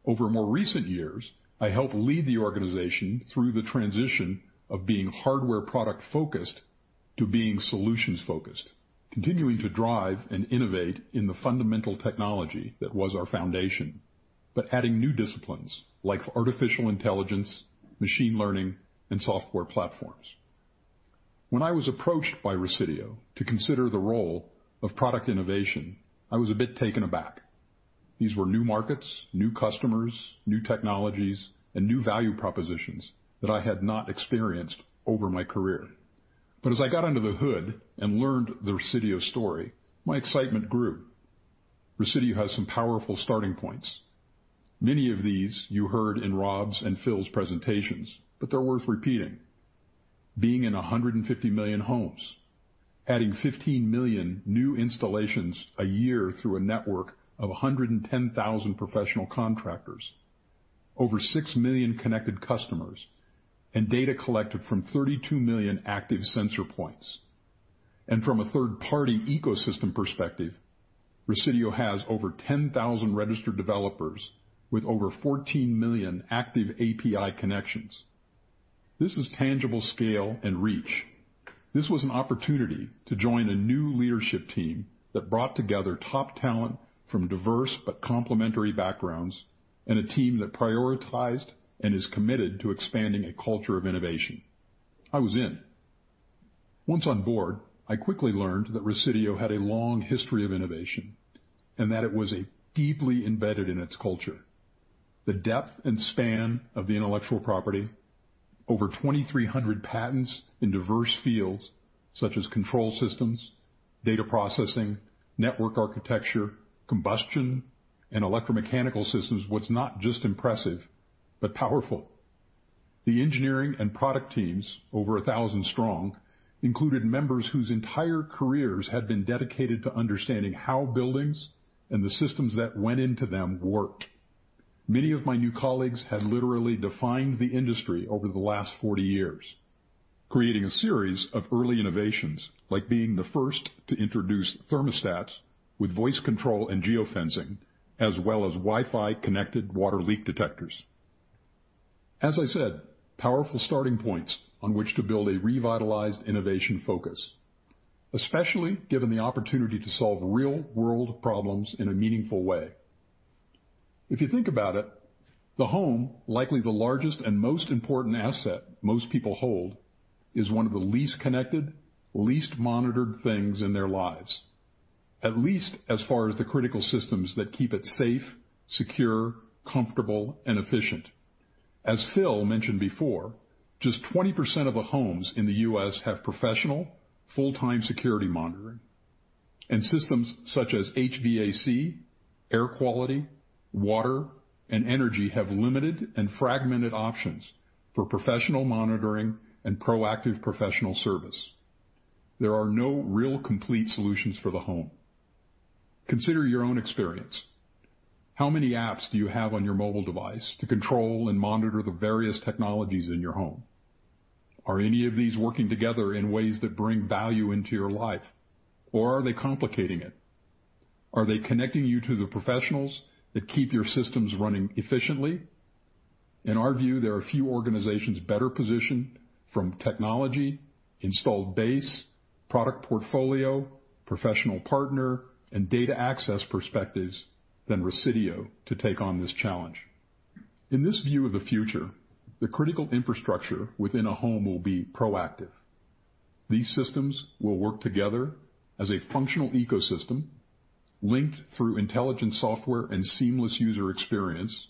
Over more recent years, I helped lead the organization through the transition of being hardware product-focused to being solutions-focused, continuing to drive and innovate in the fundamental technology that was our foundation. Adding new disciplines like artificial intelligence, machine learning, and software platforms. When I was approached by Resideo to consider the role of product innovation, I was a bit taken aback. These were new markets, new customers, new technologies, and new value propositions that I had not experienced over my career. As I got under the hood and learned the Resideo story, my excitement grew. Resideo has some powerful starting points. Many of these you heard in Rob's and Phil's presentations, but they're worth repeating. Being in 150 million homes, adding 15 million new installations a year through a network of 110,000 professional contractors. Over 6 million connected customers and data collected from 32 million active sensor points. From a third-party ecosystem perspective, Resideo has over 10,000 registered developers with over 14 million active API connections. This is tangible scale and reach. This was an opportunity to join a new leadership team that brought together top talent from diverse but complementary backgrounds, and a team that prioritized and is committed to expanding a culture of innovation. I was in. Once on board, I quickly learned that Resideo had a long history of innovation, and that it was deeply embedded in its culture. The depth and span of the intellectual property, over 2,300 patents in diverse fields such as control systems, data processing, network architecture, combustion, and electromechanical systems was not just impressive, but powerful. The engineering and product teams, over 1,000 strong, included members whose entire careers had been dedicated to understanding how buildings and the systems that went into them worked. Many of my new colleagues had literally defined the industry over the last 40 years, creating a series of early innovations, like being the first to introduce thermostats with voice control and geofencing, as well as Wi-Fi connected water leak detectors. As I said, powerful starting points on which to build a revitalized innovation focus, especially given the opportunity to solve real-world problems in a meaningful way. If you think about it, the home, likely the largest and most important asset most people hold, is one of the least connected, least monitored things in their lives. At least as far as the critical systems that keep it safe, secure, comfortable, and efficient. As Phil mentioned before, just 20% of the homes in the U.S. have professional, full-time security monitoring, and systems such as HVAC, air quality, water, and energy have limited and fragmented options for professional monitoring and proactive professional service. There are no real complete solutions for the home. Consider your own experience. How many apps do you have on your mobile device to control and monitor the various technologies in your home? Are any of these working together in ways that bring value into your life? Are they complicating it? Are they connecting you to the professionals that keep your systems running efficiently? In our view, there are few organizations better positioned from technology, installed base, product portfolio, professional partner, and data access perspectives than Resideo to take on this challenge. In this view of the future, the critical infrastructure within a home will be proactive. These systems will work together as a functional ecosystem, linked through intelligent software and seamless user experience,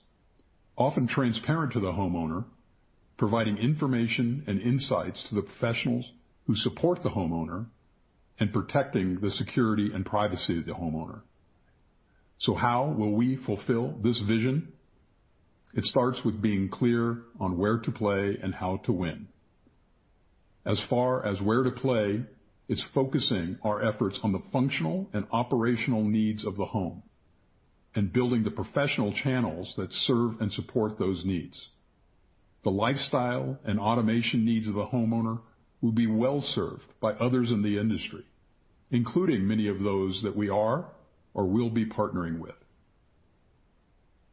often transparent to the homeowner, providing information and insights to the professionals who support the homeowner and protecting the security and privacy of the homeowner. How will we fulfill this vision? It starts with being clear on where to play and how to win. As far as where to play, it's focusing our efforts on the functional and operational needs of the home and building the professional channels that serve and support those needs. The lifestyle and automation needs of the homeowner will be well served by others in the industry, including many of those that we are or will be partnering with.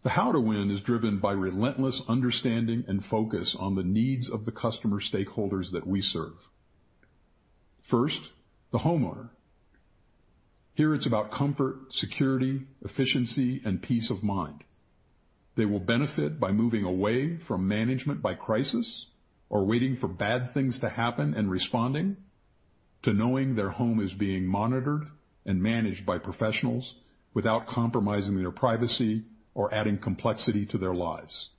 The how to win is driven by relentless understanding and focus on the needs of the customer stakeholders that we serve. First, the homeowner. Here, it's about comfort, security, efficiency, and peace of mind. They will benefit by moving away from management by crisis or waiting for bad things to happen and responding, to knowing their home is being monitored and managed by professionals without compromising their privacy or adding complexity to their lives.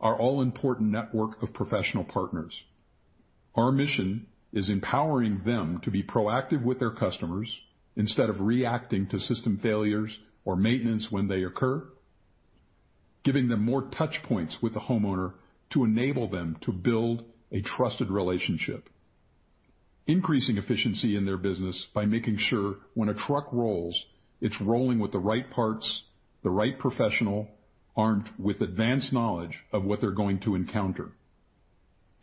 Our all-important network of professional partners. Our mission is empowering them to be proactive with their customers instead of reacting to system failures or maintenance when they occur, giving them more touch points with the homeowner to enable them to build a trusted relationship, increasing efficiency in their business by making sure when a truck rolls, it's rolling with the right parts, the right professional, armed with advance knowledge of what they're going to encounter,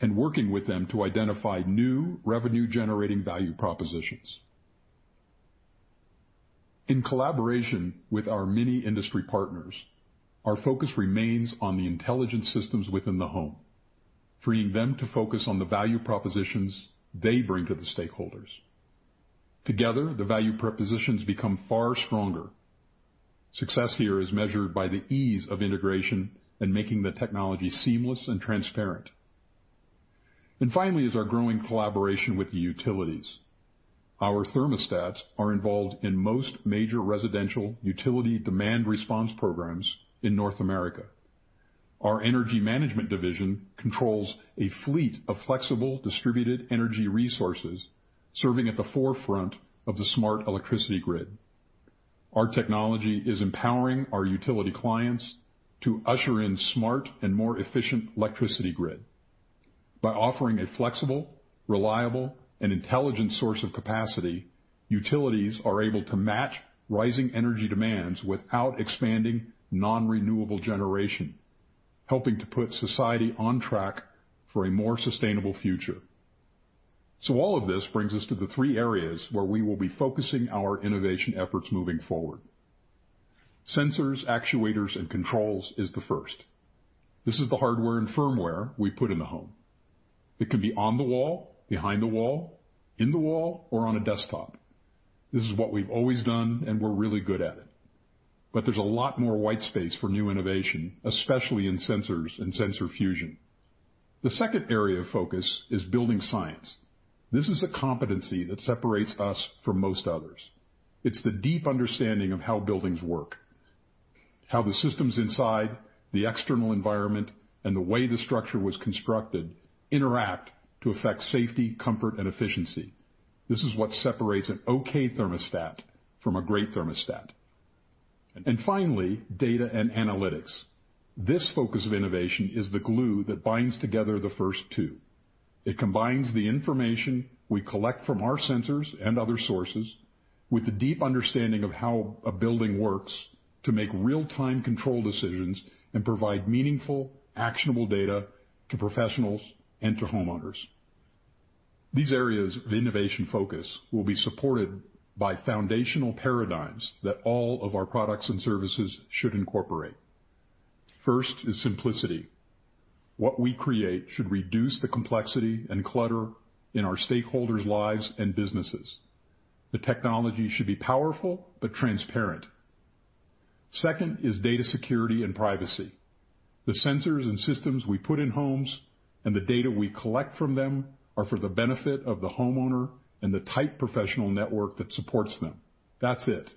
and working with them to identify new revenue-generating value propositions. In collaboration with our many industry partners, our focus remains on the intelligent systems within the home, freeing them to focus on the value propositions they bring to the stakeholders. Together, the value propositions become far stronger. Success here is measured by the ease of integration and making the technology seamless and transparent. Finally is our growing collaboration with the utilities. Our thermostats are involved in most major residential utility demand response programs in North America. Our energy management division controls a fleet of flexible distributed energy resources, serving at the forefront of the smart electricity grid. Our technology is empowering our utility clients to usher in smart and more efficient electricity grid. By offering a flexible, reliable, and intelligent source of capacity, utilities are able to match rising energy demands without expanding nonrenewable generation, helping to put society on track for a more sustainable future. All of this brings us to the three areas where we will be focusing our innovation efforts moving forward. Sensors, actuators, and controls is the first. This is the hardware and firmware we put in the home. It can be on the wall, behind the wall, in the wall, or on a desktop. This is what we've always done, and we're really good at it. There's a lot more white space for new innovation, especially in sensors and sensor fusion. The second area of focus is building science. This is a competency that separates us from most others. It's the deep understanding of how buildings work, how the systems inside, the external environment, and the way the structure was constructed interact to affect safety, comfort, and efficiency. This is what separates an okay thermostat from a great thermostat. Finally, data and analytics. This focus of innovation is the glue that binds together the first two. It combines the information we collect from our sensors and other sources with a deep understanding of how a building works to make real-time control decisions and provide meaningful, actionable data to professionals and to homeowners. These areas of innovation focus will be supported by foundational paradigms that all of our products and services should incorporate. First is simplicity. What we create should reduce the complexity and clutter in our stakeholders' lives and businesses. The technology should be powerful but transparent. Second is data security and privacy. The sensors and systems we put in homes and the data we collect from them are for the benefit of the homeowner and the tight professional network that supports them. That's it.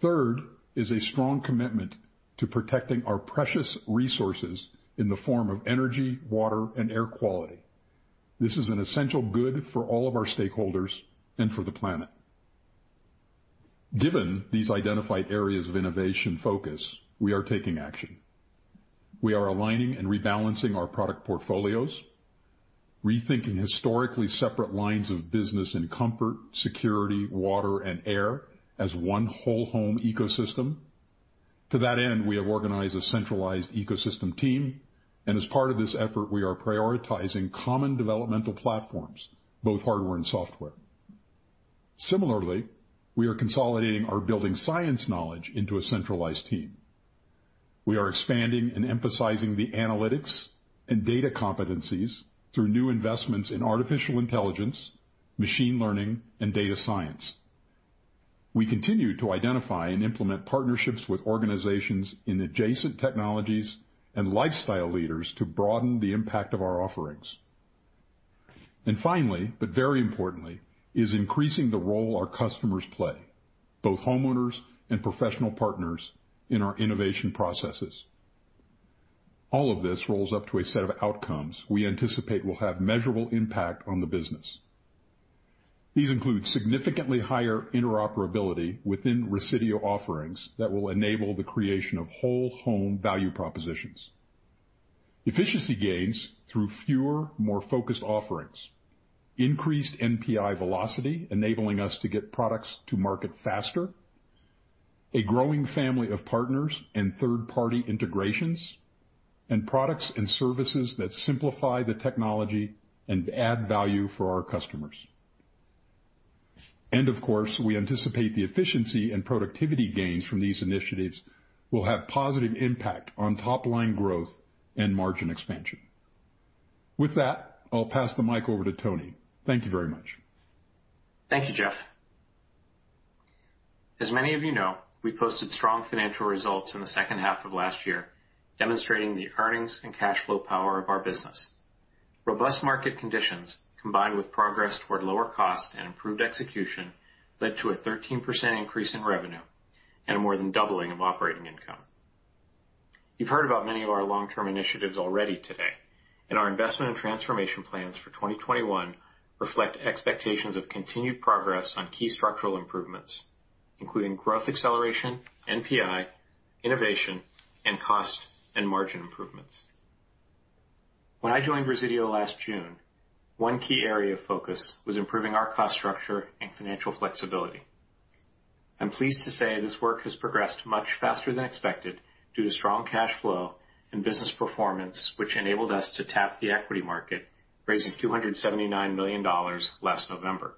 Third is a strong commitment to protecting our precious resources in the form of energy, water, and air quality. This is an essential good for all of our stakeholders and for the planet. Given these identified areas of innovation focus, we are taking action. We are aligning and rebalancing our product portfolios, rethinking historically separate lines of business in comfort, security, water, and air as one whole home ecosystem. To that end, we have organized a centralized ecosystem team, and as part of this effort, we are prioritizing common developmental platforms, both hardware and software. Similarly, we are consolidating our building science knowledge into a centralized team. We are expanding and emphasizing the analytics and data competencies through new investments in artificial intelligence, machine learning, and data science. We continue to identify and implement partnerships with organizations in adjacent technologies and lifestyle leaders to broaden the impact of our offerings. Finally, but very importantly, is increasing the role our customers play, both homeowners and professional partners in our innovation processes. All of this rolls up to a set of outcomes we anticipate will have measurable impact on the business. These include significantly higher interoperability within Resideo offerings that will enable the creation of whole home value propositions. Efficiency gains through fewer, more focused offerings. Increased NPI velocity, enabling us to get products to market faster, a growing family of partners and third-party integrations, and products and services that simplify the technology and add value for our customers. Of course, we anticipate the efficiency and productivity gains from these initiatives will have positive impact on top-line growth and margin expansion. With that, I'll pass the mic over to Tony. Thank you very much. Thank you, Jeff. As many of you know, we posted strong financial results in the second half of last year, demonstrating the earnings and cash flow power of our business. Robust market conditions, combined with progress toward lower cost and improved execution, led to a 13% increase in revenue and a more than doubling of operating income. You've heard about many of our long-term initiatives already today, and our investment and transformation plans for 2021 reflect expectations of continued progress on key structural improvements, including growth acceleration, NPI, innovation, and cost and margin improvements. When I joined Resideo last June, one key area of focus was improving our cost structure and financial flexibility. I'm pleased to say this work has progressed much faster than expected due to strong cash flow and business performance, which enabled us to tap the equity market, raising $279 million last November.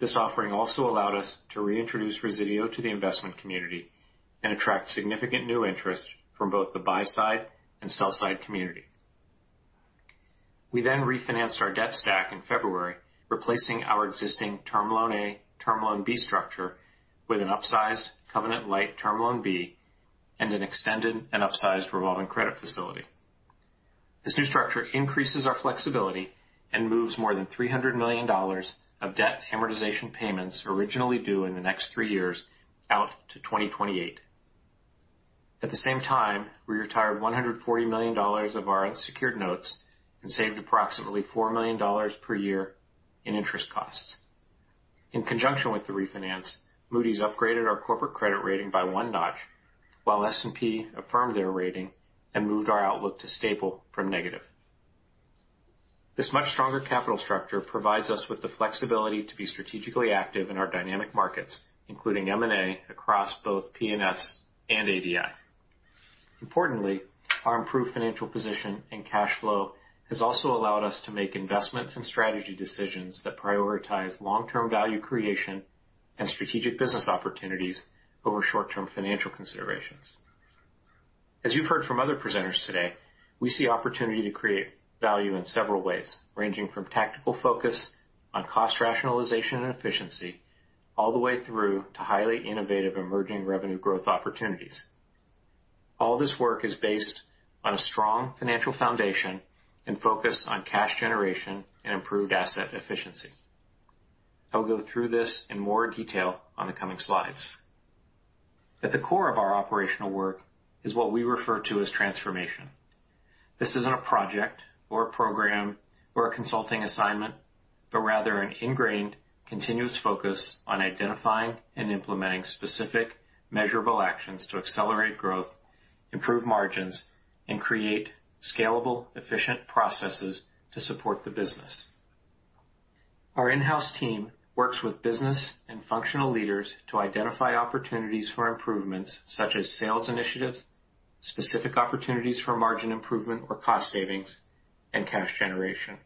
This offering also allowed us to reintroduce Resideo to the investment community and attract significant new interest from both the buy-side and sell-side community. We refinanced our debt stack in February, replacing our existing Term Loan A, Term Loan B structure with an upsized covenant light Term Loan B and an extended and upsized revolving credit facility. This new structure increases our flexibility and moves more than $300 million of debt amortization payments originally due in the next three years out to 2028. At the same time, we retired $140 million of our unsecured notes and saved approximately $4 million per year in interest costs. In conjunction with the refinance, Moody's upgraded our corporate credit rating by one notch, while S&P affirmed their rating and moved our outlook to stable from negative. This much stronger capital structure provides us with the flexibility to be strategically active in our dynamic markets, including M&A across both P&S and ADI. Importantly, our improved financial position and cash flow has also allowed us to make investment and strategy decisions that prioritize long-term value creation and strategic business opportunities over short-term financial considerations. As you've heard from other presenters today, we see opportunity to create value in several ways, ranging from tactical focus on cost rationalization and efficiency all the way through to highly innovative emerging revenue growth opportunities. All this work is based on a strong financial foundation and focus on cash generation and improved asset efficiency. I'll go through this in more detail on the coming slides. At the core of our operational work is what we refer to as transformation. This isn't a project or a program or a consulting assignment, but rather an ingrained, continuous focus on identifying and implementing specific, measurable actions to accelerate growth, improve margins, and create scalable, efficient processes to support the business. Our in-house team works with business and functional leaders to identify opportunities for improvements such as sales initiatives, specific opportunities for margin improvement or cost savings, and cash generation.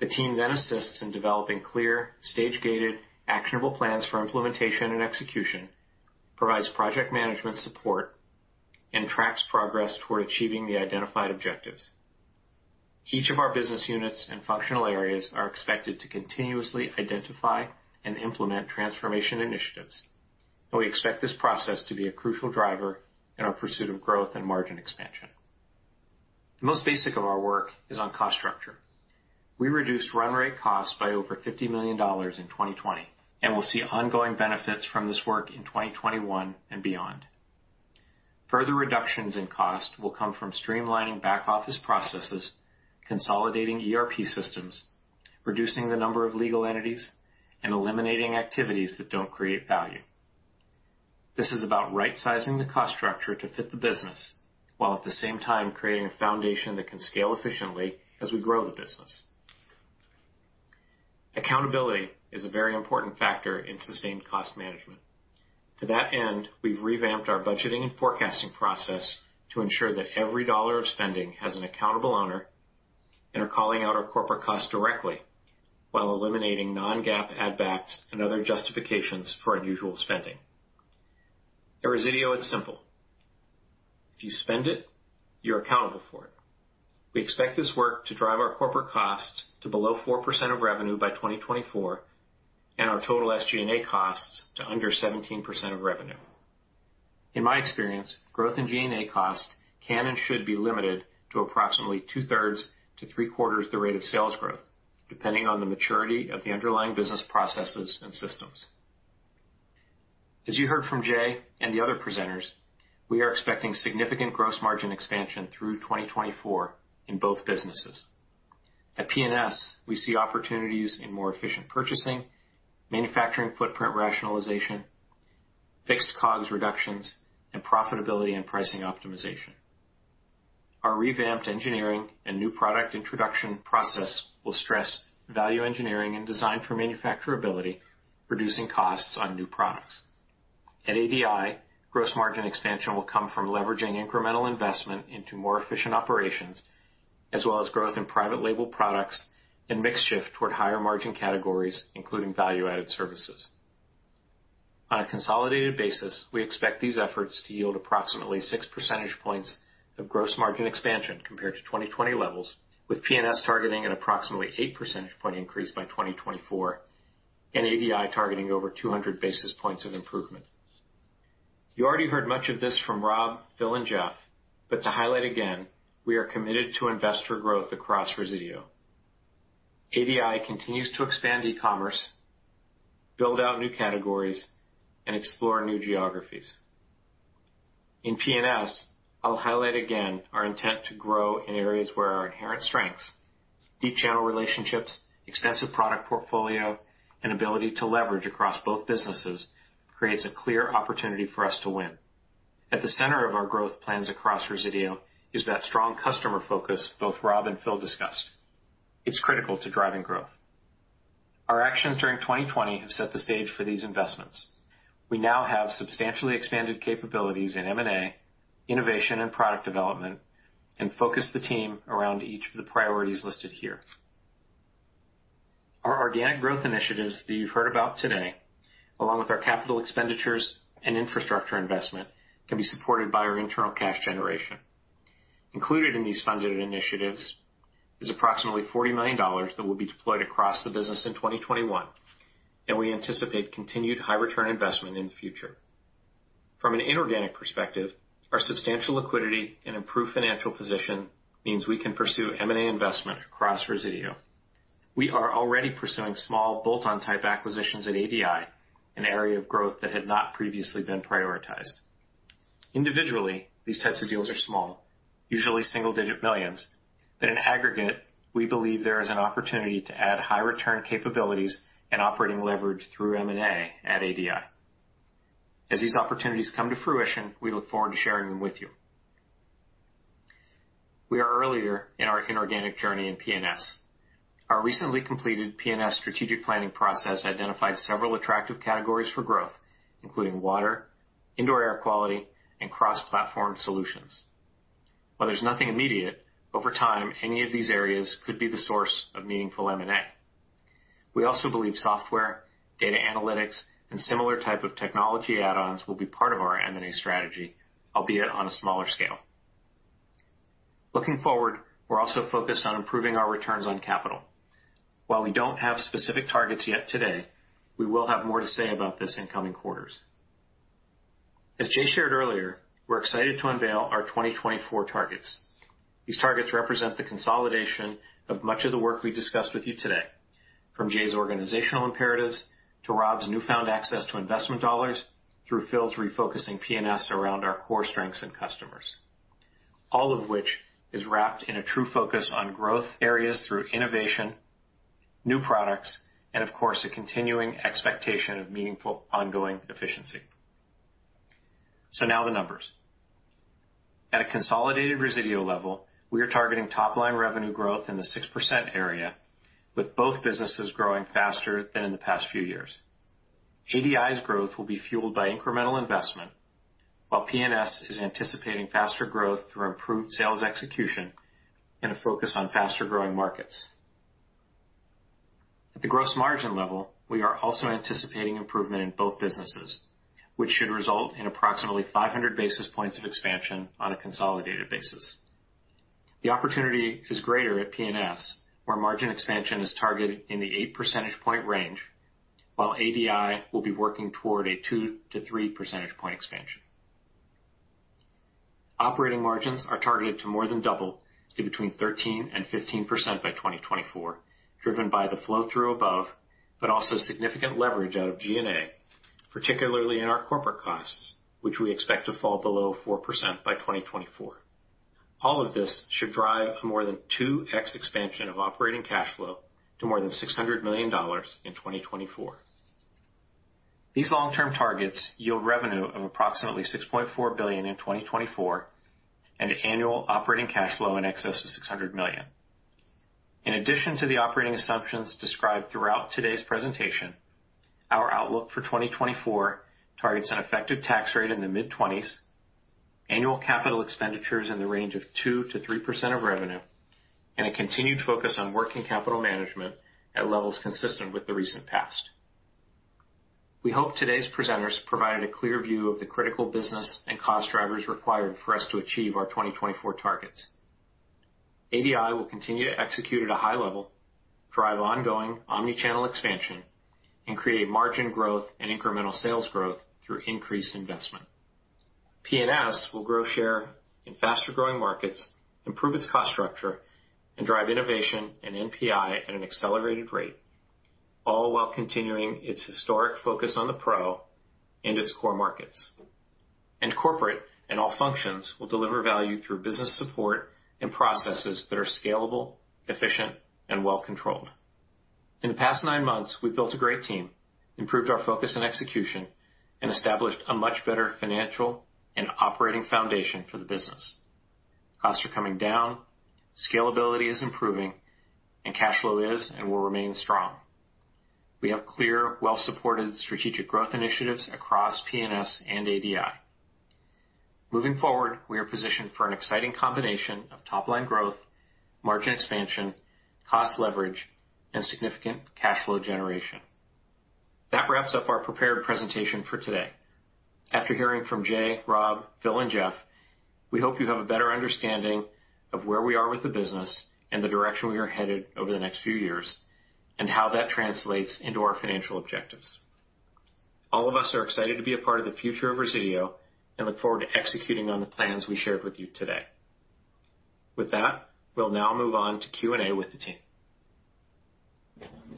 The team then assists in developing clear, stage-gated actionable plans for implementation and execution, provides project management support, and tracks progress toward achieving the identified objectives. Each of our business units and functional areas are expected to continuously identify and implement transformation initiatives, and we expect this process to be a crucial driver in our pursuit of growth and margin expansion. The most basic of our work is on cost structure. We reduced run rate costs by over $50 million in 2020, and will see ongoing benefits from this work in 2021 and beyond. Further reductions in cost will come from streamlining back office processes, consolidating ERP systems, reducing the number of legal entities, and eliminating activities that don't create value. This is about right-sizing the cost structure to fit the business, while at the same time creating a foundation that can scale efficiently as we grow the business. Accountability is a very important factor in sustained cost management. To that end, we've revamped our budgeting and forecasting process to ensure that every dollar of spending has an accountable owner and are calling out our corporate costs directly while eliminating non-GAAP add backs and other justifications for unusual spending. At Resideo, it's simple. If you spend it, you're accountable for it. We expect this work to drive our corporate costs to below 4% of revenue by 2024 and our total SG&A costs to under 17% of revenue. In my experience, growth in G&A costs can and should be limited to approximately two-thirds to three-quarters the rate of sales growth, depending on the maturity of the underlying business processes and systems. As you heard from Jay and the other presenters, we are expecting significant gross margin expansion through 2024 in both businesses. At P&S, we see opportunities in more efficient purchasing, manufacturing footprint rationalization, fixed COGS reductions, and profitability and pricing optimization. Our revamped engineering and new product introduction process will stress value engineering and design for manufacturability, reducing costs on new products. At ADI, gross margin expansion will come from leveraging incremental investment into more efficient operations, as well as growth in private label products and mix shift toward higher margin categories, including value-added services. On a consolidated basis, we expect these efforts to yield approximately 6 percentage points of gross margin expansion compared to 2020 levels, with P&S targeting an approximately 8 percentage point increase by 2024, and ADI targeting over 200 basis points of improvement. You already heard much of this from Rob, Phil, and Jeff, but to highlight again, we are committed to invest for growth across Resideo. ADI continues to expand e-commerce, build out new categories, and explore new geographies. In P&S, I'll highlight again our intent to grow in areas where our inherent strengths, deep channel relationships, extensive product portfolio, and ability to leverage across both businesses creates a clear opportunity for us to win. At the center of our growth plans across Resideo is that strong customer focus both Rob and Phil discussed. It's critical to driving growth. Our actions during 2020 have set the stage for these investments. We now have substantially expanded capabilities in M&A, innovation, and product development, and focus the team around each of the priorities listed here. Our organic growth initiatives that you've heard about today, along with our capital expenditures and infrastructure investment, can be supported by our internal cash generation. Included in these funded initiatives is approximately $40 million that will be deployed across the business in 2021, and we anticipate continued high return investment in the future. From an inorganic perspective, our substantial liquidity and improved financial position means we can pursue M&A investment across Resideo. We are already pursuing small bolt-on type acquisitions at ADI, an area of growth that had not previously been prioritized. Individually, these types of deals are small, usually single-digit millions, but in aggregate, we believe there is an opportunity to add high return capabilities and operating leverage through M&A at ADI. As these opportunities come to fruition, we look forward to sharing them with you. We are earlier in our inorganic journey in P&S. Our recently completed P&S strategic planning process identified several attractive categories for growth, including water, indoor air quality, and cross-platform solutions. While there's nothing immediate, over time, any of these areas could be the source of meaningful M&A. We also believe software, data analytics, and similar type of technology add-ons will be part of our M&A strategy, albeit on a smaller scale. Looking forward, we're also focused on improving our returns on capital. While we don't have specific targets yet today, we will have more to say about this in coming quarters. As Jay shared earlier, we're excited to unveil our 2024 targets. These targets represent the consolidation of much of the work we discussed with you today, from Jay's organizational imperatives to Rob's newfound access to investment dollars, through Phil's refocusing P&S around our core strengths and customers. All of which is wrapped in a true focus on growth areas through innovation, new products, and of course, a continuing expectation of meaningful, ongoing efficiency. Now the numbers. At a consolidated Resideo level, we are targeting top-line revenue growth in the 6% area, with both businesses growing faster than in the past few years. ADI's growth will be fueled by incremental investment, while P&S is anticipating faster growth through improved sales execution and a focus on faster-growing markets. At the gross margin level, we are also anticipating improvement in both businesses, which should result in approximately 500 basis points of expansion on a consolidated basis. The opportunity is greater at P&S, where margin expansion is targeted in the eight percentage point range, while ADI will be working toward a two to three percentage point expansion. Operating margins are targeted to more than double to between 13% and 15% by 2024, driven by the flow-through above, but also significant leverage out of G&A, particularly in our corporate costs, which we expect to fall below 4% by 2024. All of this should drive a more than 2x expansion of operating cash flow to more than $600 million in 2024. These long-term targets yield revenue of approximately $6.4 billion in 2024 and annual operating cash flow in excess of $600 million. In addition to the operating assumptions described throughout today's presentation, our outlook for 2024 targets an effective tax rate in the mid-20s, annual capital expenditures in the range of 2%-3% of revenue, and a continued focus on working capital management at levels consistent with the recent past. We hope today's presenters provided a clear view of the critical business and cost drivers required for us to achieve our 2024 targets. ADI will continue to execute at a high level, drive ongoing omni-channel expansion, and create margin growth and incremental sales growth through increased investment. P&S will grow share in faster-growing markets, improve its cost structure, drive innovation and NPI at an accelerated rate, all while continuing its historic focus on the pro and its core markets. Corporate and all functions will deliver value through business support and processes that are scalable, efficient, and well-controlled. In the past nine months, we've built a great team, improved our focus and execution, and established a much better financial and operating foundation for the business. Costs are coming down, scalability is improving, and cash flow is and will remain strong. We have clear, well-supported strategic growth initiatives across P&S and ADI. Moving forward, we are positioned for an exciting combination of top-line growth, margin expansion, cost leverage, and significant cash flow generation. That wraps up our prepared presentation for today. After hearing from Jay, Rob, Phil, and Jeff, we hope you have a better understanding of where we are with the business and the direction we are headed over the next few years, and how that translates into our financial objectives. All of us are excited to be a part of the future of Resideo, and look forward to executing on the plans we shared with you today. With that, we'll now move on to Q&A with the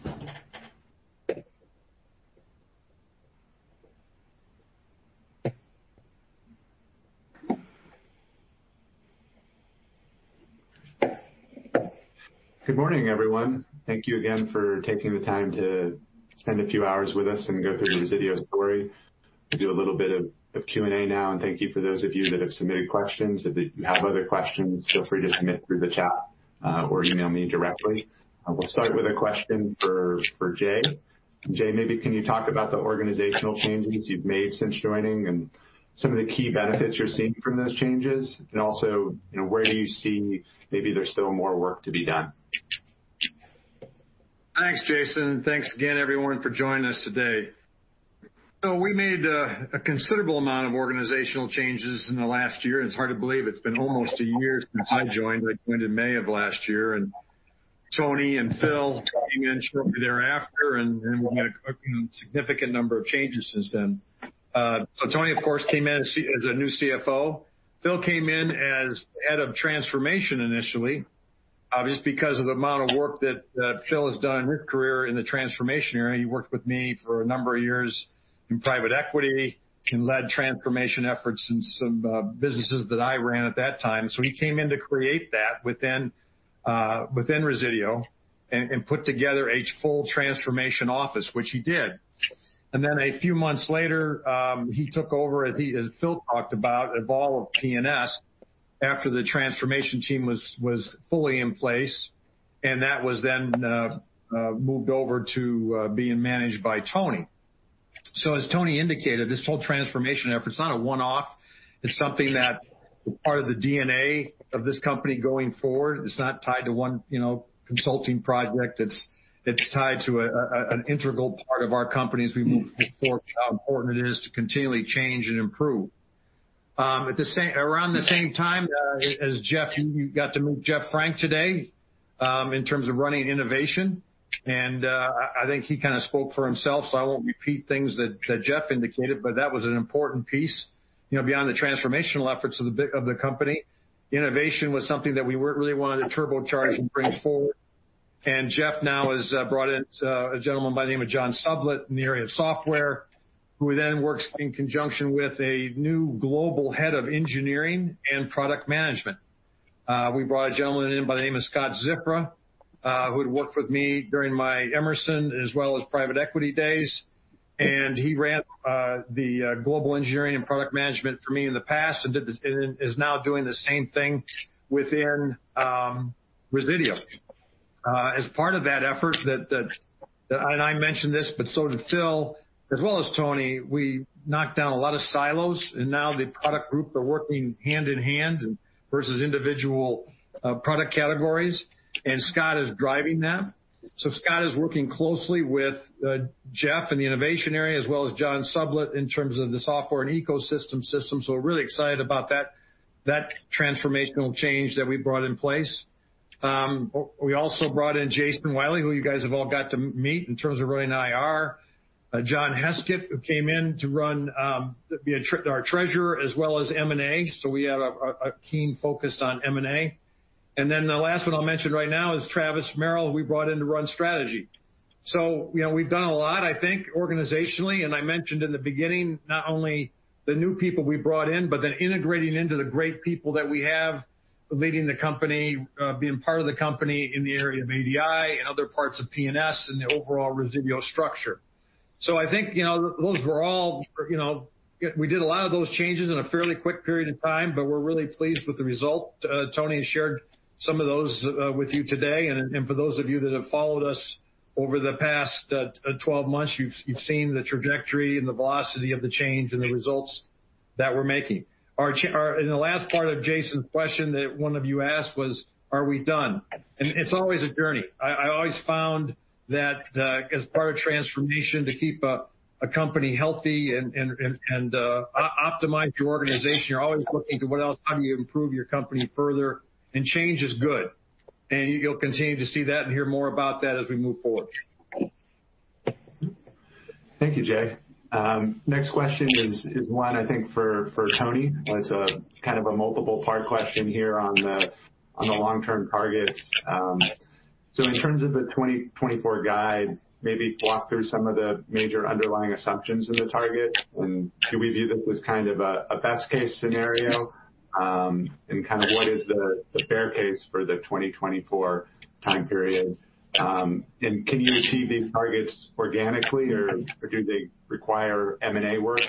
team. Good morning, everyone. Thank you again for taking the time to spend a few hours with us and go through Resideo's story. We'll do a little bit of Q&A now, and thank you for those of you that have submitted questions. If you have other questions, feel free to submit through the chat or email me directly. We'll start with a question for Jay. Jay, maybe can you talk about the organizational changes you've made since joining and some of the key benefits you're seeing from those changes? Also, where do you see maybe there's still more work to be done? Thanks, Jason. Thanks again, everyone, for joining us today. We made a considerable amount of organizational changes in the last year, and it's hard to believe it's been almost a year since I joined. I joined in May of last year, and Tony and Phil came in shortly thereafter, and we've made a significant number of changes since then. Tony, of course, came in as the new CFO. Phil came in as head of transformation initially. Just because of the amount of work that Phil has done in his career in the transformation area, he worked with me for a number of years in private equity and led transformation efforts in some businesses that I ran at that time. He came in to create that within Resideo and put together a full transformation office, which he did. Then a few months later, he took over, as Phil talked about, evolved P&S after the transformation team was fully in place, and that was then moved over to being managed by Tony. As Tony indicated, this whole transformation effort's not a one-off. It's something that is part of the DNA of this company going forward. It's not tied to one consulting project. It's tied to an integral part of our company as we move forward, how important it is to continually change and improve. Around the same time as Jeff, you got to meet Jeff Frank today, in terms of running innovation, and I think he kind of spoke for himself, so I won't repeat things that Jeff indicated, but that was an important piece. Beyond the transformational efforts of the company, innovation was something that we really wanted to turbocharge and bring forward. Jeff now has brought in a gentleman by the name of John Sublett in the area of software, who then works in conjunction with a new global head of Engineering and Product Management. We brought a gentleman in by the name of Scott Ziffra, who had worked with me during my Emerson as well as private equity days, and he ran the global Engineering and Product Management for me in the past, and is now doing the same thing within Resideo. As part of that effort, and I mentioned this, but so did Phil, as well as Tony, we knocked down a lot of silos, and now the product groups are working hand in hand versus individual product categories, and Scott is driving that. Scott is working closely with Jeff in the innovation area, as well as John Sublett in terms of the software and ecosystem. We're really excited about that transformational change that we brought in place. We also brought in Jason Willey, who you guys have all got to meet in terms of running IR. John Heskett, who came in to be our treasurer as well as M&A, we have a keen focus on M&A. The last one I'll mention right now is Travis Merrill, who we brought in to run strategy. We've done a lot, I think, organizationally, and I mentioned in the beginning, not only the new people we brought in, but then integrating into the great people that we have leading the company, being part of the company in the area of ADI and other parts of P&S and the overall Resideo structure. I think we did a lot of those changes in a fairly quick period of time, but we're really pleased with the result. Tony shared some of those with you today. For those of you that have followed us over the past 12 months, you've seen the trajectory and the velocity of the change and the results that we're making. In the last part of Jason's question that one of you asked was, are we done? It's always a journey. I always found that as part of transformation to keep a company healthy and optimize your organization, you're always looking to what else, how do you improve your company further? Change is good, and you'll continue to see that and hear more about that as we move forward. Thank you, Jay. Next question is one I think for Tony. It's kind of a multiple part question here on the long-term targets. In terms of the 2024 guide, maybe walk through some of the major underlying assumptions in the target, and do we view this as kind of a best case scenario? What is the bear case for the 2024 time period? Can you achieve these targets organically, or do they require M&A work?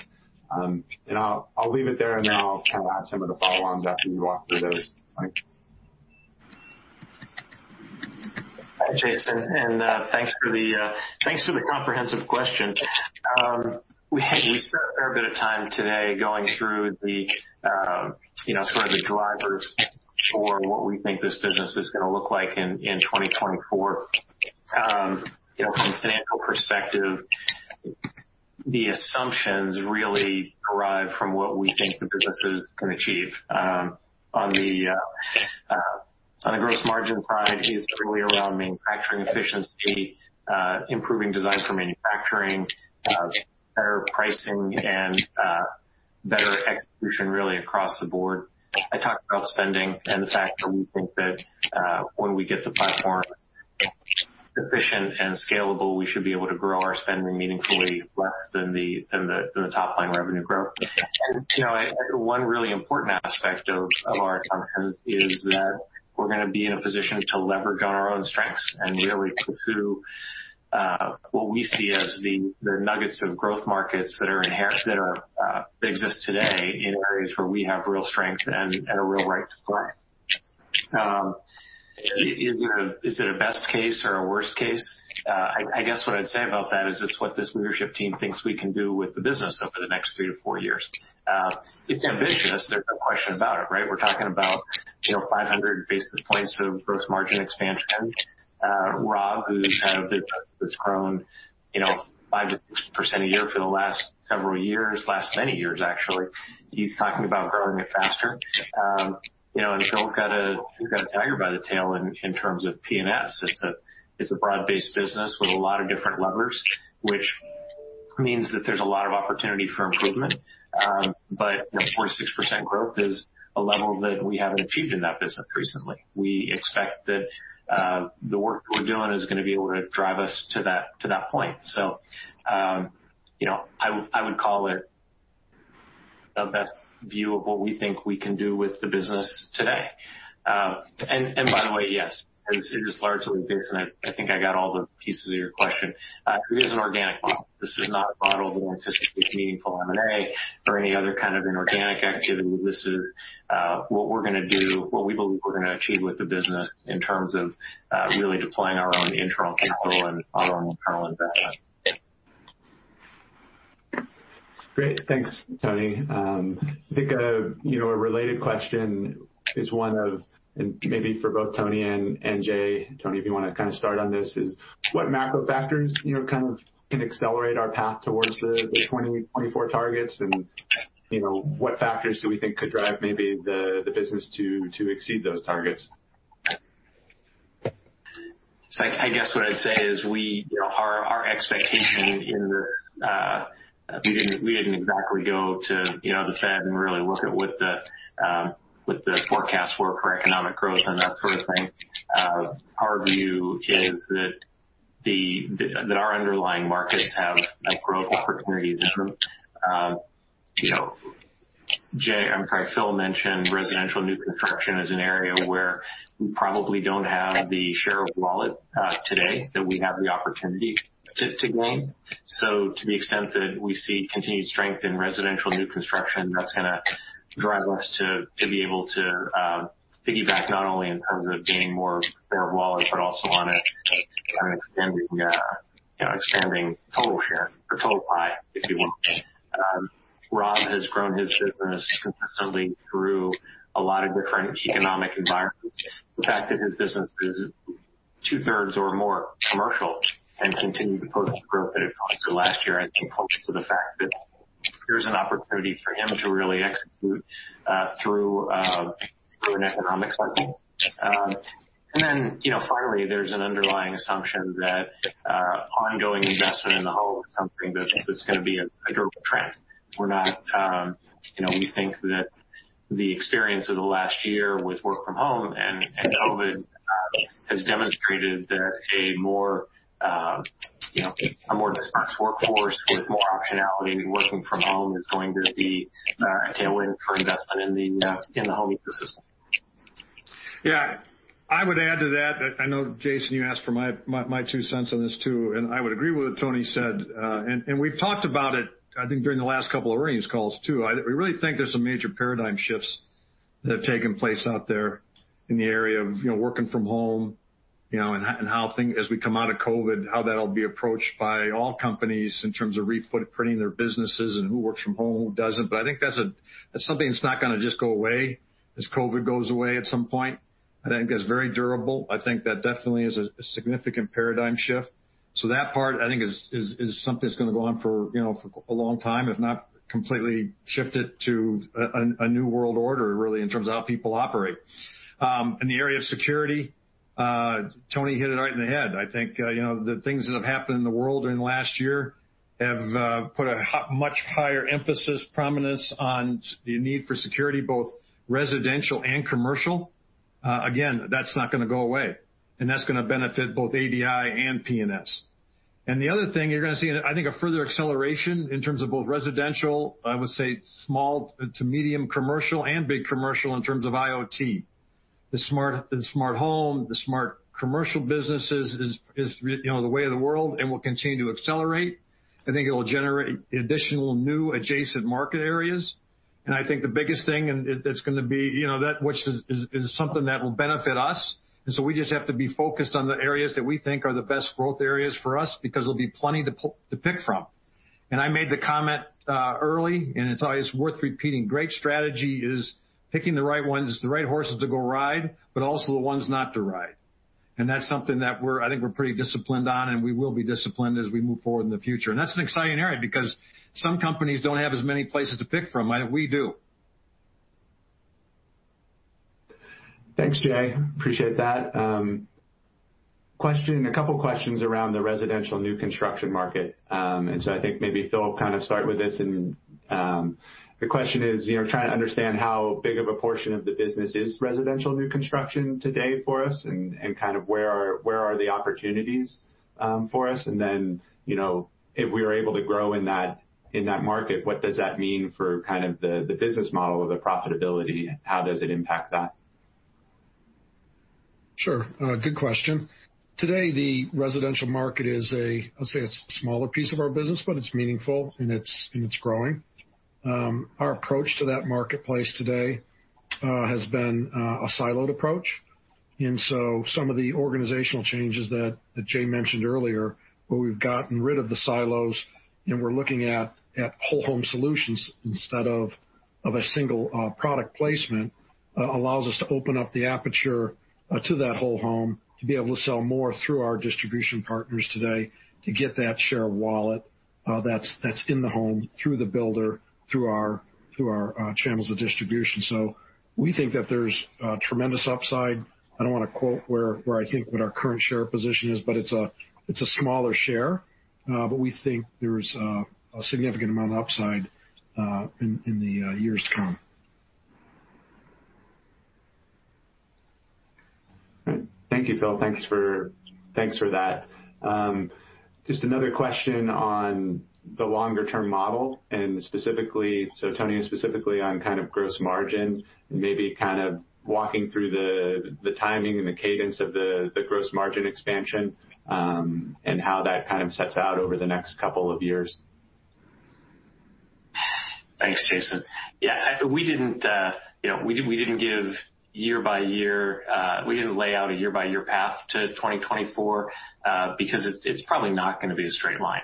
I'll leave it there, and then I'll kind of add some of the follow-ons after you walk through those points. Hi, Jason, and thanks for the comprehensive question. We spent a fair bit of time today going through the sort of the drivers for what we think this business is going to look like in 2024. From a financial perspective, the assumptions really derive from what we think the business is going to achieve. On the gross margin side, it's really around manufacturing efficiency, improving design for manufacturing, better pricing, and better execution really across the board. I talked about spending and the fact that we think that when we get the platform efficient and scalable, we should be able to grow our spending meaningfully less than the top-line revenue growth. One really important aspect of our assumptions is that we're going to be in a position to leverage on our own strengths and really pursue what we see as the nuggets of growth markets that exist today in areas where we have real strength and a real right to play. Is it a best case or a worst case? I guess what I'd say about that is it's what this leadership team thinks we can do with the business over the next three to four years. It's ambitious, there's no question about it, right? We're talking about 500 basis points of gross margin expansion. Rob, who's had a business that's grown 5%-6% a year for the last several years, last many years, actually, he's talking about growing it faster. Phil's got a tiger by the tail in terms of P&S. It's a broad-based business with a lot of different levers, which means that there's a lot of opportunity for improvement. 4% to 6% growth is a level that we haven't achieved in that business recently. We expect that the work that we're doing is going to be able to drive us to that point. I would call it the best view of what we think we can do with the business today. By the way, yes, it is largely based on it. I think I got all the pieces of your question. It is an organic model. This is not a model that anticipates meaningful M&A or any other kind of inorganic activity. This is what we're going to do, what we believe we're going to achieve with the business in terms of really deploying our own internal capital and our own internal investment. Great. Thanks, Tony. I think a related question is one of, and maybe for both Tony and Jay, Tony, if you want to kind of start on this, is what macro factors can accelerate our path towards the 2024 targets and what factors do we think could drive maybe the business to exceed those targets? I guess what I'd say is our expectation in this, we didn't exactly go to the Fed and really look at what the forecasts were for economic growth and that sort of thing. Our view is that our underlying markets have growth opportunities in them. Jay, I'm sorry, Phil mentioned residential new construction as an area where we probably don't have the share of wallet today that we have the opportunity to gain. To the extent that we see continued strength in residential new construction, that's going to drive us to be able to piggyback, not only in terms of gaining more wallet, but also on it kind of expanding total share or total pie, if you will. Rob has grown his business consistently through a lot of different economic environments. The fact that his business is two-thirds or more commercial and continued to post growth that it did last year, I think points to the fact that there's an opportunity for him to really execute through an economic cycle. Finally, there's an underlying assumption that ongoing investment in the home is something that's going to be a durable trend. We think that the experience of the last year with work from home and COVID has demonstrated that a more dispersed workforce with more optionality working from home is going to be a tailwind for investment in the home ecosystem. Yeah. I would add to that. I know, Jason, you asked for my two cents on this too. I would agree with what Tony said. We've talked about it, I think, during the last couple of earnings calls, too. We really think there's some major paradigm shifts that have taken place out there in the area of working from home, and as we come out of COVID, how that'll be approached by all companies in terms of refootprinting their businesses and who works from home, who doesn't. I think that's something that's not going to just go away as COVID goes away at some point. I think that's very durable. I think that definitely is a significant paradigm shift. That part, I think, is something that's going to go on for a long time, if not completely shift it to a new world order, really, in terms of how people operate. In the area of security, Tony hit it right in the head. I think the things that have happened in the world during the last year have put a much higher emphasis, prominence on the need for security, both residential and commercial. Again, that's not going to go away, and that's going to benefit both ADI and P&S. The other thing, you're going to see, I think, a further acceleration in terms of both residential, I would say small to medium commercial and big commercial in terms of IoT. The smart home, the smart commercial businesses is the way of the world and will continue to accelerate. I think it will generate additional new adjacent market areas. I think the biggest thing, that's going to be that which is something that will benefit us. We just have to be focused on the areas that we think are the best growth areas for us, because there'll be plenty to pick from. I made the comment early, and it's always worth repeating. Great strategy is picking the right ones, the right horses to go ride, but also the ones not to ride. That's something that I think we're pretty disciplined on, and we will be disciplined as we move forward in the future. That's an exciting area because some companies don't have as many places to pick from. We do. Thanks, Jay. Appreciate that. A couple questions around the residential new construction market. I think maybe Phil, kind of start with this and the question is, trying to understand how big of a portion of the business is residential new construction today for us and kind of where are the opportunities for us. Then, if we are able to grow in that market, what does that mean for kind of the business model or the profitability? How does it impact that? Sure. Good question. Today, the residential market is, I'll say it's a smaller piece of our business, but it's meaningful and it's growing. Our approach to that marketplace today has been a siloed approach. Some of the organizational changes that Jay mentioned earlier, where we've gotten rid of the silos and we're looking at whole home solutions instead of a single product placement, allows us to open up the aperture to that whole home to be able to sell more through our distribution partners today to get that share of wallet that's in the home through the builder, through our channels of distribution. We think that there's a tremendous upside. I don't want to quote where I think what our current share position is, but it's a smaller share. We think there's a significant amount of upside in the years to come. All right. Thank you, Phil. Thanks for that. Just another question on the longer-term model, and specifically, so Tony, specifically on kind of gross margin, maybe kind of walking through the timing and the cadence of the gross margin expansion, and how that kind of sets out over the next couple of years. Thanks, Jason. Yeah, we didn't lay out a year-by-year path to 2024, because it's probably not going to be a straight line.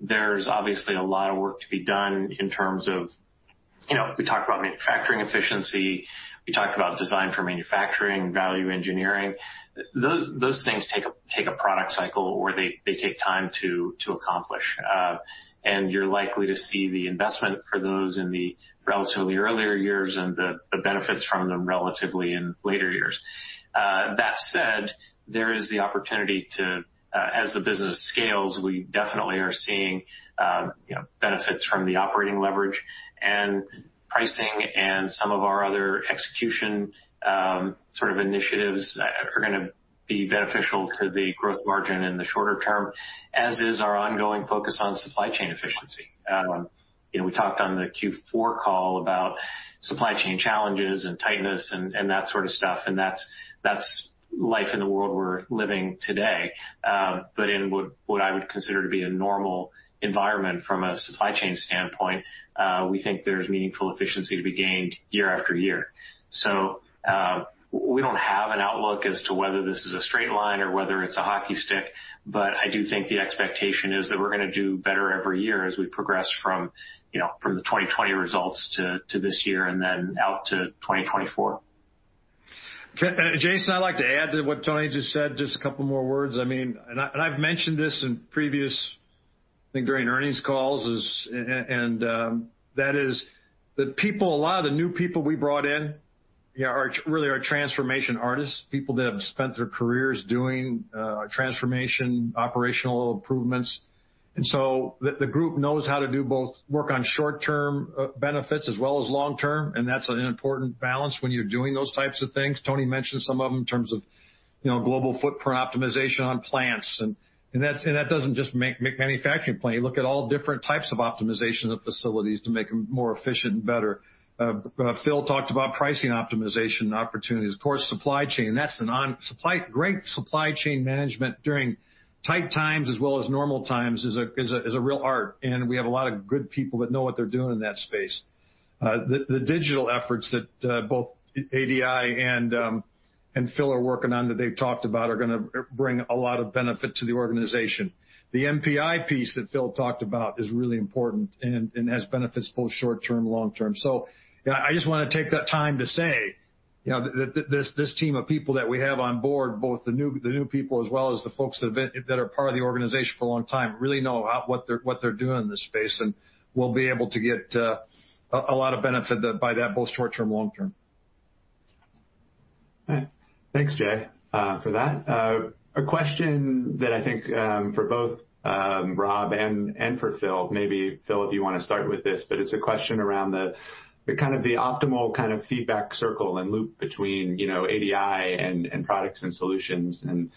There's obviously a lot of work to be done in terms of, we talked about manufacturing efficiency, we talked about design for manufacturing, value engineering. Those things take a product cycle, or they take time to accomplish. You're likely to see the investment for those in the relatively earlier years and the benefits from them relatively in later years. That said, there is the opportunity to, as the business scales, we definitely are seeing benefits from the operating leverage and pricing and some of our other execution sort of initiatives are going to be beneficial to the gross margin in the shorter term, as is our ongoing focus on supply chain efficiency. We talked on the Q4 call about supply chain challenges and tightness and that sort of stuff. That's life in the world we're living today. In what I would consider to be a normal environment from a supply chain standpoint, we think there's meaningful efficiency to be gained year after year. We don't have an outlook as to whether this is a straight line or whether it's a hockey stick. I do think the expectation is that we're going to do better every year as we progress from the 2020 results to this year and then out to 2024. Jason, I'd like to add to what Tony just said, just a couple more words. I mean, I've mentioned this in previous, I think during earnings calls, and that is that a lot of the new people we brought in really are transformation artists, people that have spent their careers doing transformation, operational improvements. The group knows how to do both work on short-term benefits as well as long-term, and that's an important balance when you're doing those types of things. Tony mentioned some of them in terms of global footprint optimization on plants, and that doesn't just make manufacturing plants. You look at all different types of optimization of facilities to make them more efficient and better. Phil talked about pricing optimization opportunities. Of course, supply chain. Great supply chain management during tight times as well as normal times is a real art, and we have a lot of good people that know what they're doing in that space. The digital efforts that both ADI and Phil are working on that they've talked about are going to bring a lot of benefit to the organization. The NPI piece that Phil talked about is really important and has benefits both short-term and long-term. I just want to take that time to say that this team of people that we have on board, both the new people as well as the folks that are part of the organization for a long time, really know what they're doing in this space. We'll be able to get a lot of benefit by that, both short-term, long-term. All right. Thanks, Jay, for that. A question that I think for both Rob and for Phil. Maybe Phil, if you want to start with this, it's a question around the kind of the optimal kind of feedback circle and loop between ADI and Products & Solutions and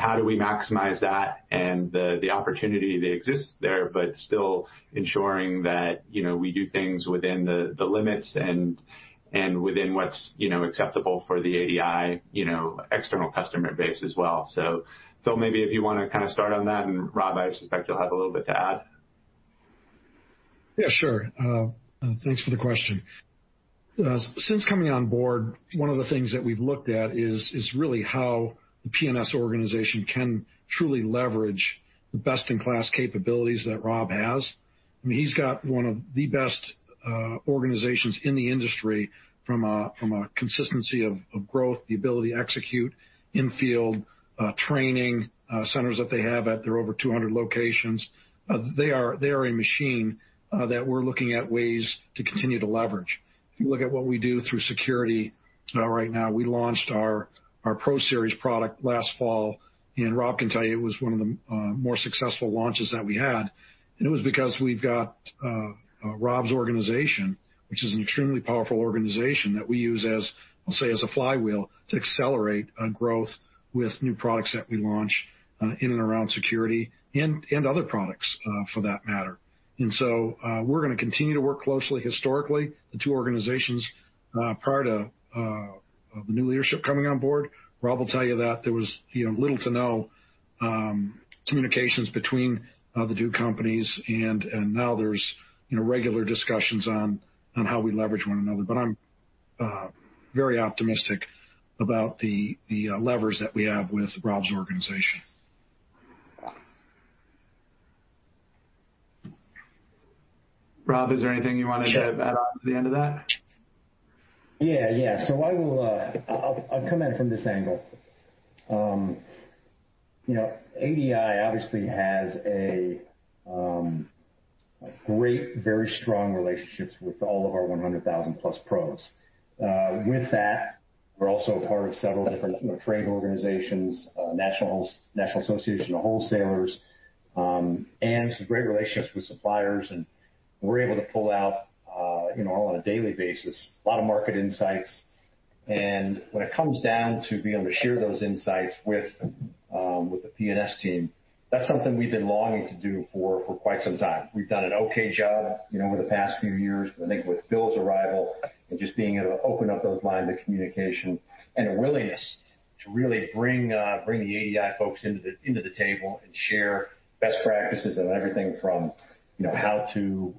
how do we maximize that and the opportunity that exists there, but still ensuring that we do things within the limits and within what's acceptable for the ADI external customer base as well. Phil, maybe if you want to kind of start on that. Rob, I suspect you'll have a little bit to add. Yeah, sure. Thanks for the question. Since coming on board, one of the things that we've looked at is really how the P&S organization can truly leverage the best-in-class capabilities that Rob has. He's got one of the best organizations in the industry from a consistency of growth, the ability to execute in-field training centers that they have at their over 200 locations. They are a machine that we're looking at ways to continue to leverage. If you look at what we do through security right now, we launched our ProSeries product last fall, and Rob can tell you it was one of the more successful launches that we had. It was because we've got Rob's organization, which is an extremely powerful organization that we use as, I'll say, as a flywheel to accelerate growth with new products that we launch in and around security and other products, for that matter. We're going to continue to work closely. Historically, the two organizations, prior to the new leadership coming on board, Rob will tell you that there was little to no communications between the two companies, and now there's regular discussions on how we leverage one another. I'm very optimistic about the levers that we have with Rob's organization. Rob, is there anything you wanted to add on to the end of that? I'll come in from this angle. ADI obviously has great, very strong relationships with all of our 100,000+ pros. With that, we're also a part of several different trade organizations, National Association of Wholesaler-Distributors, and some great relationships with suppliers, and we're able to pull out, on a daily basis, a lot of market insights. When it comes down to being able to share those insights with the P&S team, that's something we've been longing to do for quite some time. We've done an okay job over the past few years, but I think with Phil's arrival and just being able to open up those lines of communication and a willingness to really bring the ADI folks into the table and share best practices on everything from how to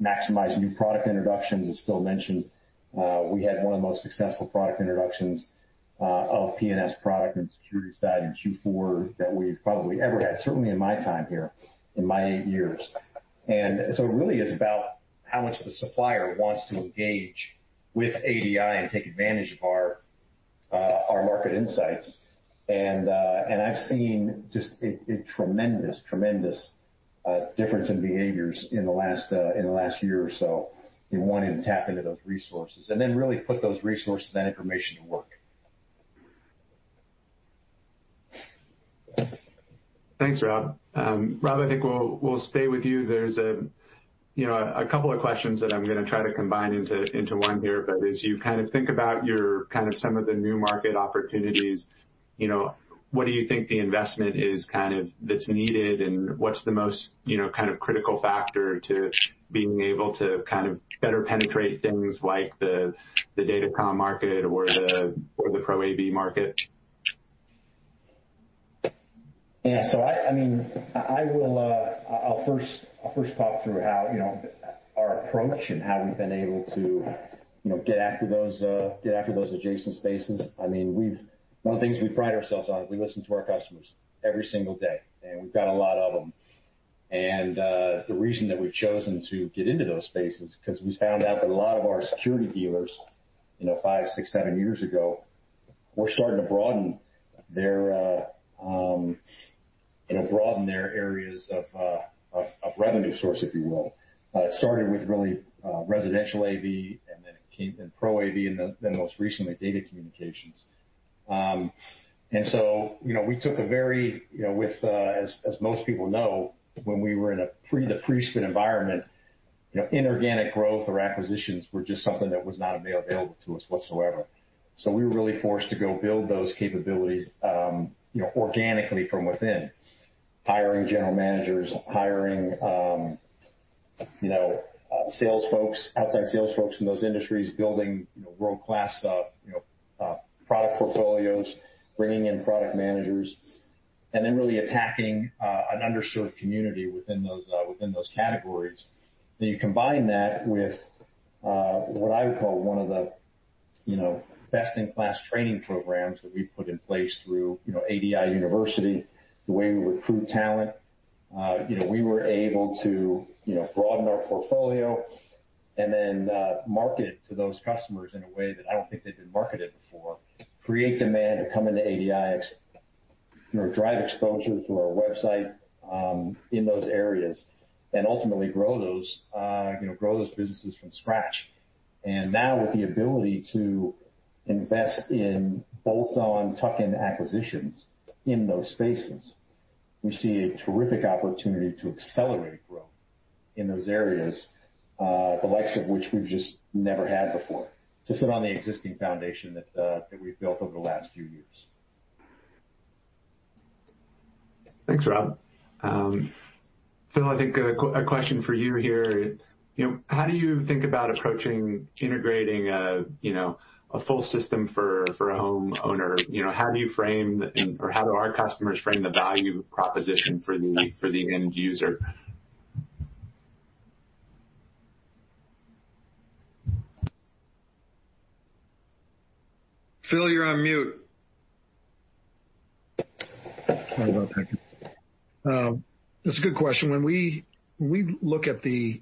maximize new product introductions. As Phil mentioned, we had one of the most successful product introductions of P&S product and security side in Q4 that we've probably ever had, certainly in my time here, in my eight years. It really is about how much the supplier wants to engage with ADI and take advantage of our market insights. I've seen just a tremendous difference in behaviors in the last year or so in wanting to tap into those resources and then really put those resources and that information to work. Thanks, Rob. Rob, I think we'll stay with you. There's a couple of questions that I'm going to try to combine into one here, but as you think about some of the new market opportunities, what do you think the investment is that's needed, and what's the most critical factor to being able to better penetrate things like the data com market or the ProAV market? Yeah. I'll first talk through our approach and how we've been able to get after those adjacent spaces. One of the things we pride ourselves on is we listen to our customers every single day. We've got a lot of them. The reason that we've chosen to get into those spaces is because we found out that a lot of our security dealers, five, six, seven years ago, were starting to broaden their areas of revenue source, if you will. It started with really residential AV, then proAV, then most recently, data communications. We took, as most people know, when we were in the pre-spin environment, inorganic growth or acquisitions were just something that was not available to us whatsoever. We were really forced to go build those capabilities organically from within. Hiring general managers, hiring outside sales folks in those industries, building world-class product portfolios, bringing in product managers, and then really attacking an underserved community within those categories. You combine that with what I would call one of the best-in-class training programs that we've put in place through ADI University, the way we recruit talent. We were able to broaden our portfolio and then market it to those customers in a way that I don't think they've been marketed before, create demand to come into ADI, drive exposure through our website in those areas, and ultimately grow those businesses from scratch. Now with the ability to invest in bolt-on tuck-in acquisitions in those spaces, we see a terrific opportunity to accelerate growth in those areas, the likes of which we've just never had before, to sit on the existing foundation that we've built over the last few years. Thanks, Rob. Phil, I think a question for you here. How do you think about approaching integrating a full system for a homeowner? How do you frame, or how do our customers frame the value proposition for the end user? Phil, you're on mute. Sorry about that. That's a good question. When we look at the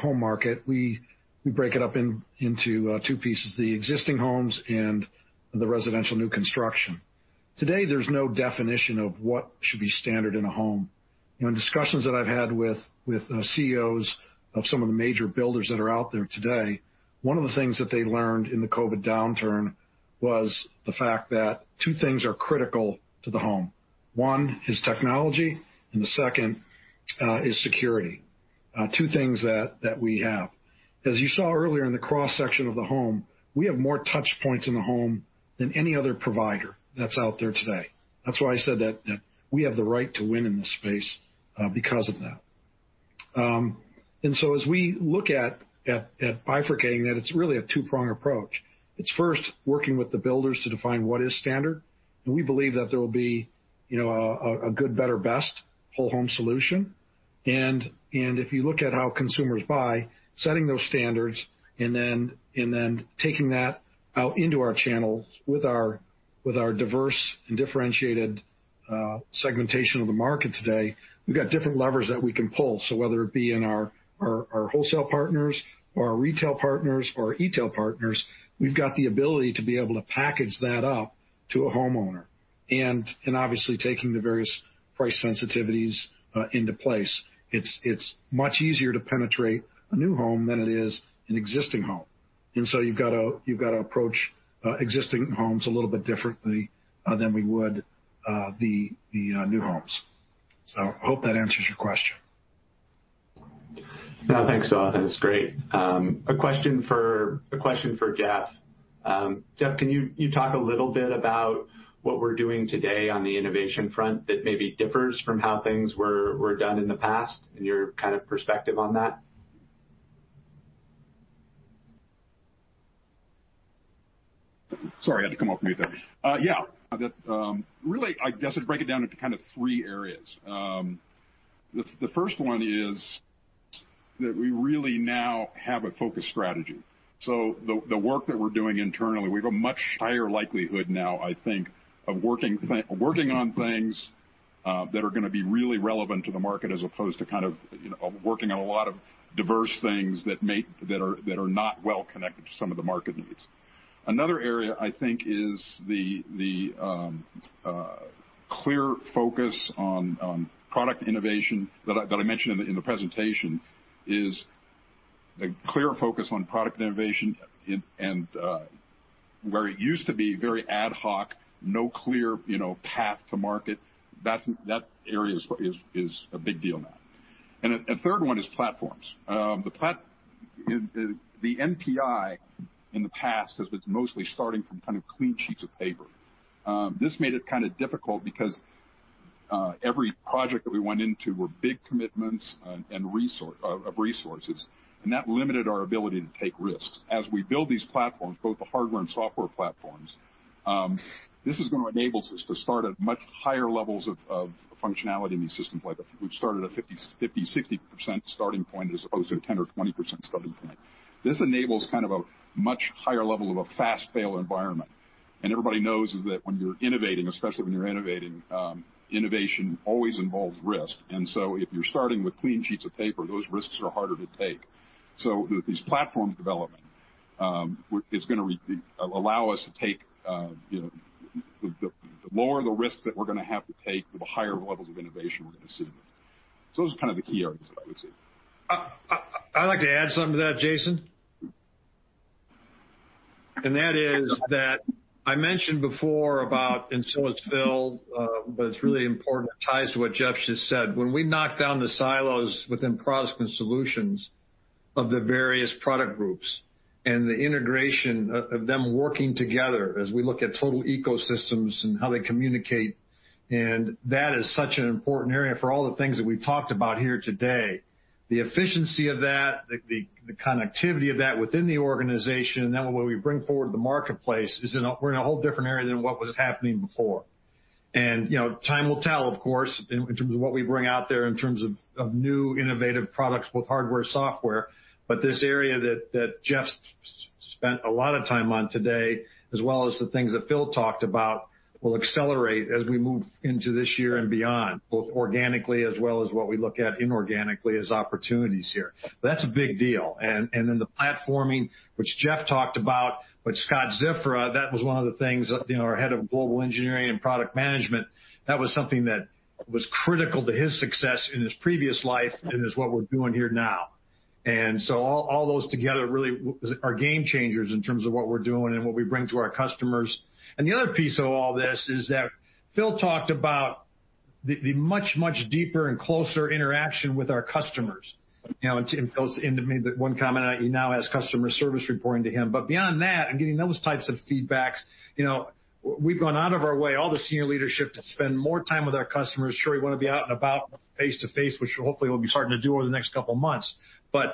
home market, we break it up into two pieces, the existing homes and the residential new construction. Today, there's no definition of what should be standard in a home. In discussions that I've had with CEOs of some of the major builders that are out there today, one of the things that they learned in the COVID downturn was the fact that two things are critical to the home. One is technology, and the second is security. Two things that we have. As you saw earlier in the cross-section of the home, we have more touch points in the home than any other provider that's out there today. That's why I said that we have the right to win in this space because of that. As we look at bifurcating that, it's really a two-pronged approach. It's first working with the builders to define what is standard. We believe that there will be a good, better, best whole home solution. If you look at how consumers buy, setting those standards and then taking that out into our channels with our diverse and differentiated segmentation of the market today, we've got different levers that we can pull. Whether it be in our wholesale partners or our retail partners or our e-tail partners, we've got the ability to be able to package that up to a homeowner. Obviously, taking the various price sensitivities into place, it's much easier to penetrate a new home than it is an existing home. You've got to approach existing homes a little bit differently than we would the new homes. I hope that answers your question. Yeah. Thanks, Phil. That's great. A question for Jeff. Jeff, can you talk a little bit about what we're doing today on the innovation front that maybe differs from how things were done in the past, and your perspective on that? Sorry, I had to come off mute there. Yeah. Really, I guess I'd break it down into three areas. The first one is that we really now have a focused strategy. The work that we're doing internally, we have a much higher likelihood now, I think, of working on things that are going to be really relevant to the market, as opposed to working on a lot of diverse things that are not well-connected to some of the market needs. Another area I think is the clear focus on product innovation that I mentioned in the presentation, is a clear focus on product innovation and where it used to be very ad hoc, no clear path to market. That area is a big deal now. A third one is platforms. The NPI in the past has been mostly starting from clean sheets of paper. This made it difficult because every project that we went into were big commitments of resources, and that limited our ability to take risks. As we build these platforms, both the hardware and software platforms, this is going to enable us to start at much higher levels of functionality in these systems, where we've started a 50%-60% starting point as opposed to a 10% or 20% starting point. This enables a much higher level of a fast fail environment. Everybody knows that when you're innovating, especially when you're innovating, innovation always involves risk. If you're starting with clean sheets of paper, those risks are harder to take. With these platform development, it's going to allow us to lower the risks that we're going to have to take for the higher levels of innovation we're going to see. Those are the key areas that I would say. I'd like to add something to that, Jason. That is that I mentioned before about in [silos field], it's really important. It ties to what Jeff just said. When we knock down the silos within Products & Solutions of the various product groups and the integration of them working together as we look at total ecosystems and how they communicate, that is such an important area for all the things that we've talked about here today. The efficiency of that, the connectivity of that within the organization, what we bring forward to the marketplace is we're in a whole different area than what was happening before. Time will tell, of course, in terms of what we bring out there in terms of new innovative products, both hardware, software. This area that Jeff spent a lot of time on today, as well as the things that Phil talked about, will accelerate as we move into this year and beyond, both organically as well as what we look at inorganically as opportunities here. That's a big deal. The platforming, which Jeff talked about, but Scott Ziffra, that was one of the things that our head of global engineering and product management, that was something that was critical to his success in his previous life and is what we're doing here now. All those together really are game changers in terms of what we're doing and what we bring to our customers. The other piece of all this is that Phil talked about the much, much deeper and closer interaction with our customers. Phil's one comment, he now has customer service reporting to him. Beyond that, and getting those types of feedbacks, we've gone out of our way, all the senior leadership, to spend more time with our customers. Sure, we want to be out and about face-to-face, which hopefully we'll be starting to do over the next couple of months. One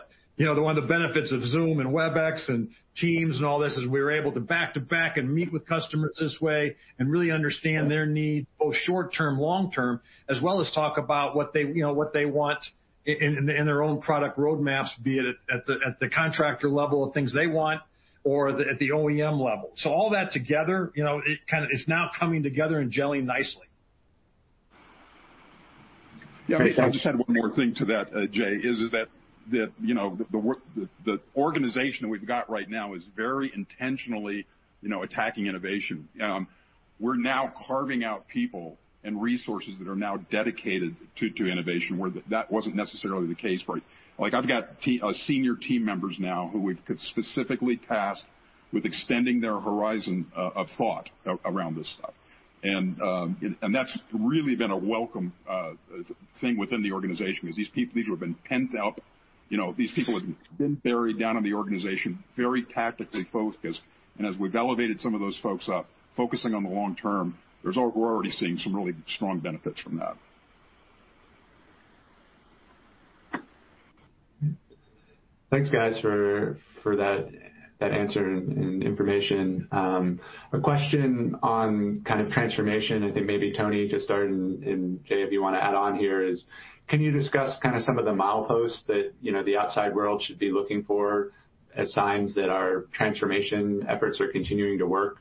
of the benefits of Zoom and Webex and Teams and all this is we were able to back-to-back and meet with customers this way and really understand their needs, both short-term, long-term, as well as talk about what they want in their own product roadmaps, be it at the contractor level of things they want or at the OEM level. All that together is now coming together and gelling nicely. Yeah. I'll just add one more thing to that, Jay, is that the organization that we've got right now is very intentionally attacking innovation. We're now carving out people and resources that are now dedicated to innovation, where that wasn't necessarily the case for I've got senior team members now who we've specifically tasked with extending their horizon of thought around this stuff. That's really been a welcome thing within the organization, because these people, these who have been pent up, these people have been buried down in the organization, very tactically focused. As we've elevated some of those folks up, focusing on the long term, we're already seeing some really strong benefits from that. Thanks, guys, for that answer and information. A question on kind of transformation. I think maybe Tony to start and Jay, if you want to add on here is, can you discuss kind of some of the mileposts that the outside world should be looking for as signs that our transformation efforts are continuing to work?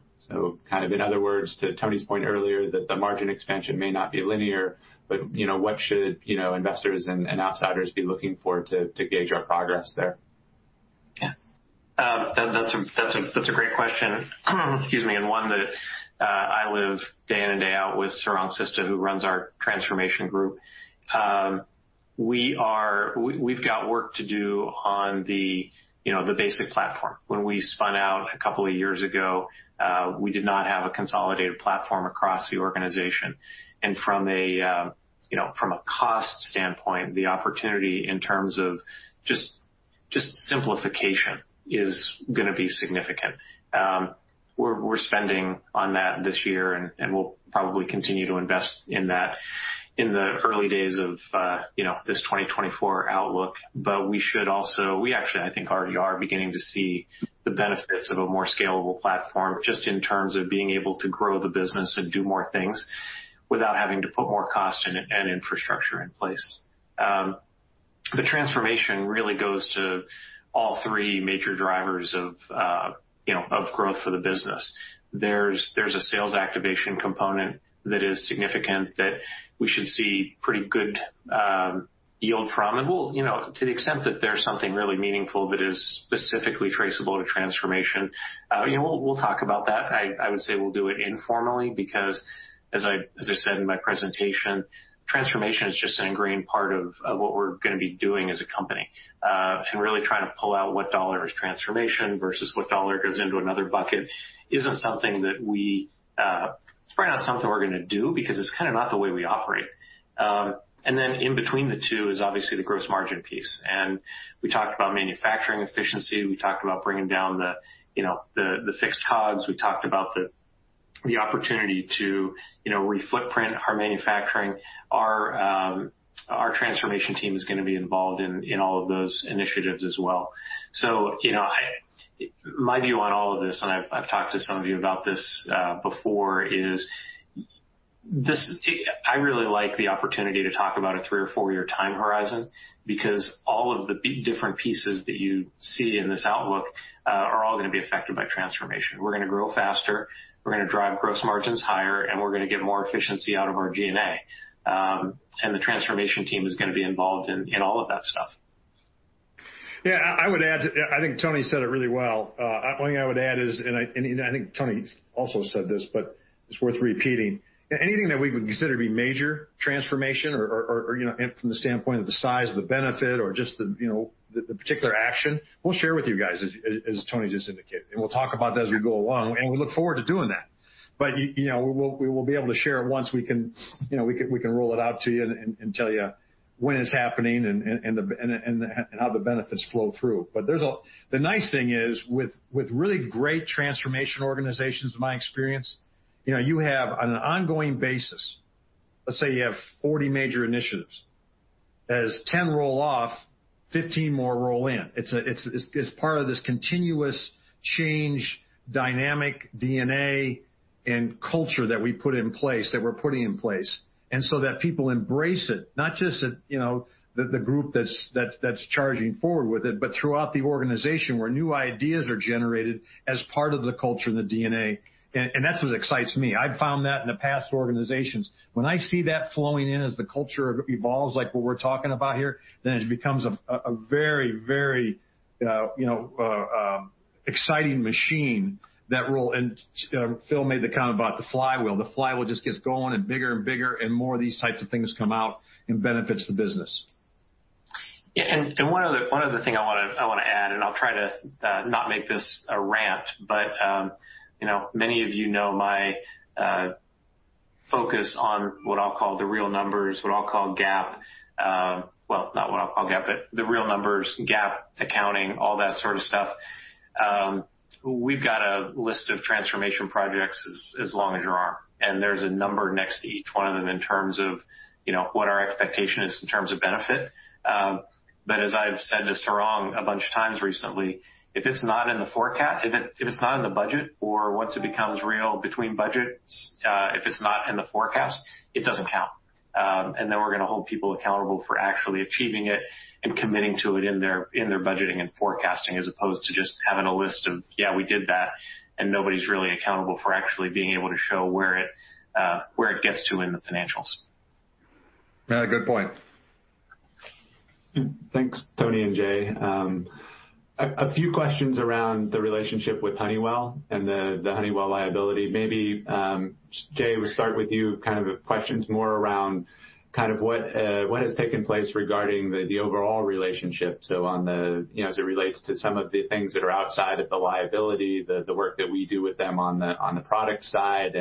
Kind of in other words, to Tony's point earlier, that the margin expansion may not be linear, but what should investors and outsiders be looking for to gauge our progress there? Yeah. That's a great question. Excuse me. One that I live day in and day out with Sarang Sista, who runs our transformation group. We've got work to do on the basic platform. When we spun out a couple of years ago, we did not have a consolidated platform across the organization. From a cost standpoint, the opportunity in terms of just simplification is going to be significant. We're spending on that this year, and we'll probably continue to invest in that in the early days of this 2024 outlook. We should also, we actually, I think, already are beginning to see the benefits of a more scalable platform, just in terms of being able to grow the business and do more things without having to put more cost and infrastructure in place. The transformation really goes to all three major drivers of growth for the business. There's a sales activation component that is significant that we should see pretty good yield from, and we'll, to the extent that there's something really meaningful that is specifically traceable to transformation, we'll talk about that. I would say we'll do it informally because, as I said in my presentation, transformation is just an ingrained part of what we're going to be doing as a company. Really trying to pull out what dollar is transformation versus what dollar goes into another bucket isn't something that it's probably not something we're going to do because it's kind of not the way we operate. Then in between the two is obviously the gross margin piece. We talked about manufacturing efficiency. We talked about bringing down the fixed COGS. We talked about the opportunity to re-footprint our manufacturing. Our transformation team is going to be involved in all of those initiatives as well. My view on all of this, and I've talked to some of you about this before, is I really like the opportunity to talk about a three- or four-year time horizon because all of the different pieces that you see in this outlook are all going to be affected by transformation. We're going to grow faster, we're going to drive gross margins higher, and we're going to get more efficiency out of our G&A. The transformation team is going to be involved in all of that stuff. Yeah, I think Tony said it really well. Only thing I would add is, I think Tony also said this, but it's worth repeating. Anything that we would consider to be major transformation or from the standpoint of the size of the benefit or just the particular action, we'll share with you guys, as Tony just indicated. We'll talk about that as we go along, and we look forward to doing that. We will be able to share it once we can roll it out to you and tell you when it's happening and how the benefits flow through. The nice thing is with really great transformation organizations, in my experience, you have on an ongoing basis, let's say you have 40 major initiatives. As 10 roll off, 15 more roll in. It's part of this continuous change dynamic DNA and culture that we put in place, that we're putting in place. That people embrace it, not just the group that's charging forward with it, but throughout the organization where new ideas are generated as part of the culture and the DNA. That's what excites me. I've found that in the past organizations. When I see that flowing in as the culture evolves, like what we're talking about here, then it becomes a very exciting machine. Phil made the comment about the flywheel. The flywheel just gets going and bigger and bigger and more of these types of things come out and benefits the business. Yeah, one other thing I want to add, I'll try to not make this a rant, many of you know my focus on what I'll call the real numbers, what I'll call GAAP. Well, not what I'll call GAAP, the real numbers, GAAP accounting, all that sort of stuff. We've got a list of transformation projects as long as your arm, there's a number next to each one of them in terms of what our expectation is in terms of benefit. As I've said to Sarang a bunch of times recently, if it's not in the forecast, if it's not in the budget or once it becomes real between budgets, if it's not in the forecast, it doesn't count. We're going to hold people accountable for actually achieving it and committing to it in their budgeting and forecasting as opposed to just having a list of, yeah, we did that, and nobody's really accountable for actually being able to show where it gets to in the financials. Yeah, good point. Thanks, Tony and Jay. A few questions around the relationship with Honeywell and the Honeywell liability. Maybe, Jay, we start with you, kind of the questions more around what has taken place regarding the overall relationship. As it relates to some of the things that are outside of the liability, the work that we do with them on the product side,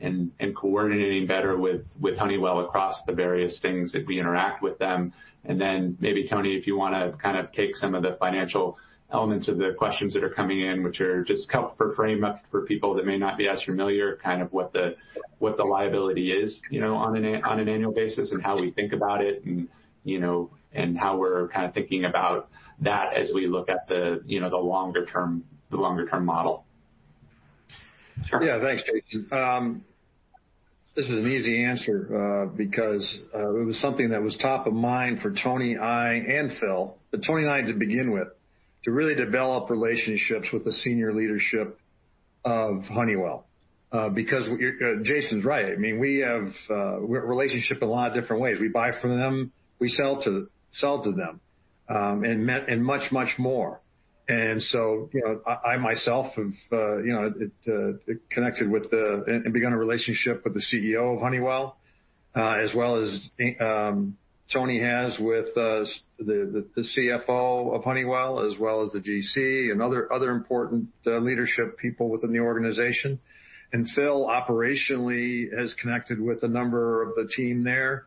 and coordinating better with Honeywell across the various things that we interact with them. Maybe, Tony, if you want to kind of take some of the financial elements of the questions that are coming in, which are just help for frame up for people that may not be as familiar, kind of what the liability is on an annual basis and how we think about it, and how we're kind of thinking about that as we look at the longer-term model. Thanks, Jason. This is an easy answer, because it was something that was top of mind for Tony, I, and Phil. Tony and I to begin with, to really develop relationships with the senior leadership of Honeywell. Jason's right. We have relationship in a lot of different ways. We buy from them, we sell to them, and much, much more. I myself have connected with and begun a relationship with the CEO of Honeywell, as well as Tony has with the CFO of Honeywell, as well as the GC and other important leadership people within the organization. Phil operationally has connected with a number of the team there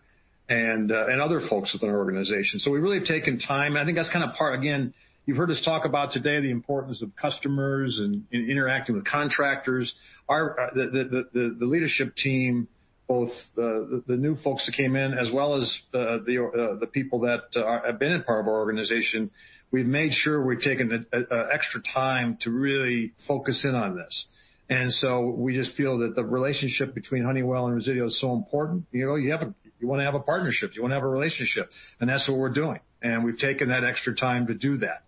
and other folks with our organization. We really have taken time, and I think that's kind of part, again, you've heard us talk about today the importance of customers and interacting with contractors. The leadership team, both the new folks that came in as well as the people that have been a part of our organization, we've made sure we've taken extra time to really focus in on this. We just feel that the relationship between Honeywell and Resideo is so important. You want to have a partnership, you want to have a relationship, and that's what we're doing. We've taken that extra time to do that.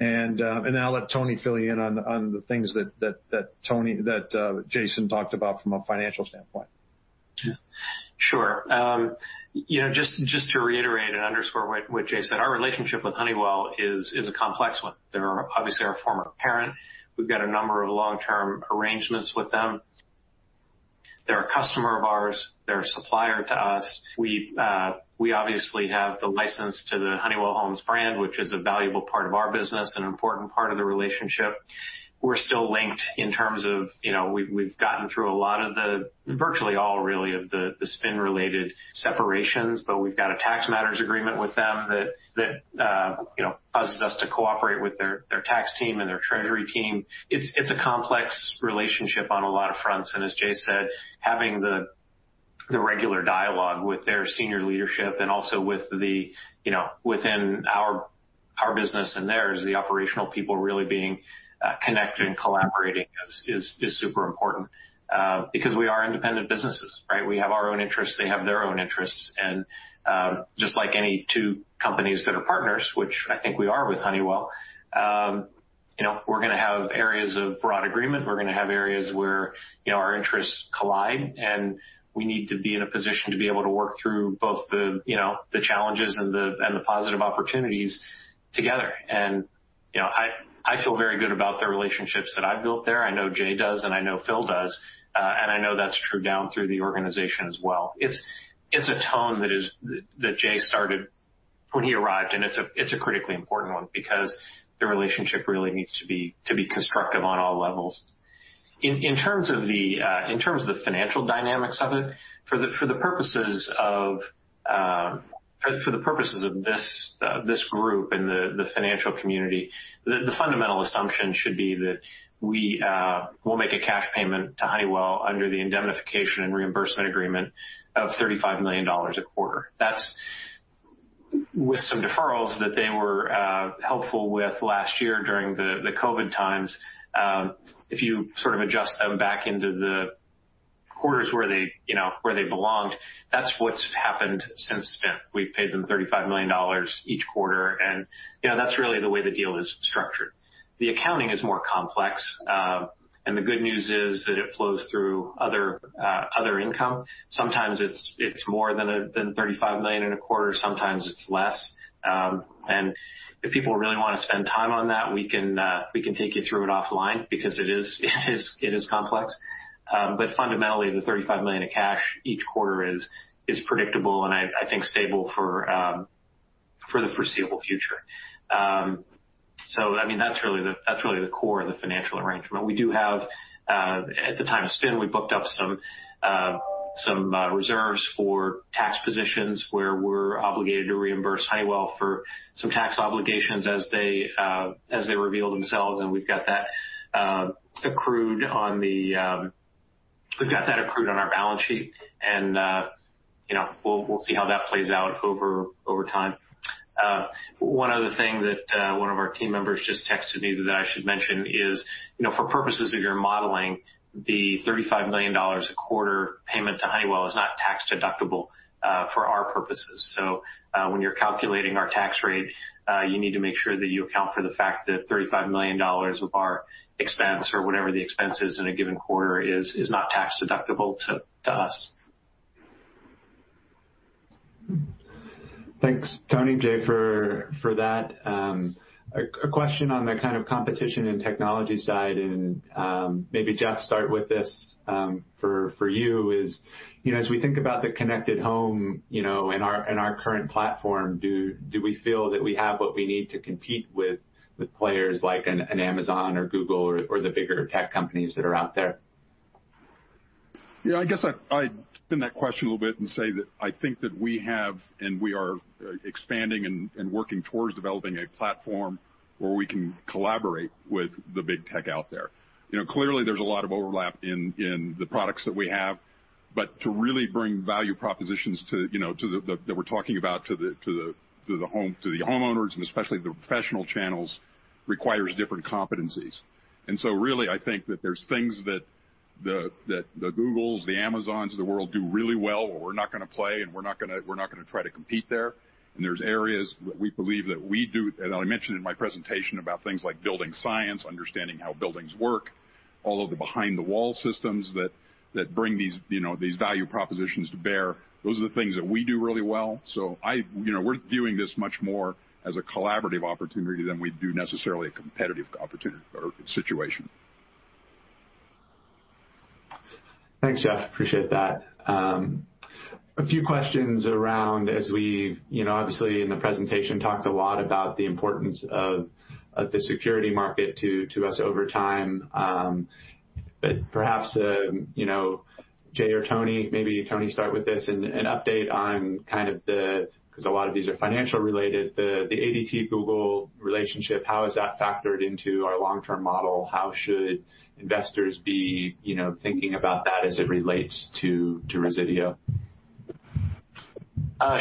I'll let Tony fill you in on the things that Jason talked about from a financial standpoint. Sure. Just to reiterate and underscore what Jay said, our relationship with Honeywell is a complex one. They're obviously our former parent. We've got a number of long-term arrangements with them. They're a customer of ours. They're a supplier to us. We obviously have the license to the Honeywell Home brand, which is a valuable part of our business and an important part of the relationship. We're still linked in terms of we've gotten through a lot of the, virtually all really of the spin-related separations. We've got a tax matters agreement with them that causes us to cooperate with their tax team and their treasury team. It's a complex relationship on a lot of fronts. As Jay said, having the regular dialogue with their senior leadership and also within our business and theirs, the operational people really being connected and collaborating is super important. Because we are independent businesses, right? We have our own interests, they have their own interests, and just like any two companies that are partners, which I think we are with Honeywell, we're going to have areas of broad agreement. We're going to have areas where our interests collide, and we need to be in a position to be able to work through both the challenges and the positive opportunities together. And I feel very good about the relationships that I've built there. I know Jay does, and I know Phil does. And I know that's true down through the organization as well. It's a tone that Jay started when he arrived, and it's a critically important one because the relationship really needs to be constructive on all levels. In terms of the financial dynamics of it, for the purposes of this group and the financial community, the fundamental assumption should be that we'll make a cash payment to Honeywell under the indemnification and reimbursement agreement of $35 million a quarter. That's with some deferrals that they were helpful with last year during the COVID times. If you sort of adjust them back into the quarters where they belonged, that's what's happened since then. We've paid them $35 million each quarter, and that's really the way the deal is structured. The accounting is more complex. The good news is that it flows through other income. Sometimes it's more than $35 million in a quarter, sometimes it's less. If people really want to spend time on that, we can take you through it offline because it is complex. Fundamentally, the $35 million of cash each quarter is predictable and I think stable for the foreseeable future. That's really the core of the financial arrangement. We do have, at the time of spin, we booked up some reserves for tax positions where we're obligated to reimburse Honeywell for some tax obligations as they reveal themselves, and we've got that accrued on our balance sheet. We'll see how that plays out over time. One other thing that one of our team members just texted me that I should mention is, for purposes of your modeling, the $35 million a quarter payment to Honeywell is not tax-deductible for our purposes. When you're calculating our tax rate, you need to make sure that you account for the fact that $35 million of our expense or whatever the expense is in a given quarter is not tax-deductible to us. Thanks, Tony, Jay, for that. A question on the kind of competition and technology side, and maybe Jeff, start with this for you is, as we think about the connected home in our current platform, do we feel that we have what we need to compete with players like an Amazon or Google or the bigger tech companies that are out there? I guess I spin that question a little bit and say that I think that we have and we are expanding and working towards developing a platform where we can collaborate with the big tech out there. Clearly, there's a lot of overlap in the products that we have, but to really bring value propositions that we're talking about to the homeowners, and especially the professional channels, requires different competencies. Really, I think that there's things that the Googles, the Amazons of the world do really well, where we're not going to play and we're not going to try to compete there. There's areas that we believe that we do, and I mentioned in my presentation about things like building science, understanding how buildings work, all of the behind-the-wall systems that bring these value propositions to bear. Those are the things that we do really well. We're viewing this much more as a collaborative opportunity than we do necessarily a competitive opportunity or situation. Thanks, Jeff. Appreciate that. A few questions around as we obviously in the presentation, talked a lot about the importance of the security market to us over time. Perhaps, Jay or Tony, maybe Tony start with this, an update on kind of the, because a lot of these are financial related, the ADT-Google relationship, how is that factored into our long-term model? How should investors be thinking about that as it relates to Resideo?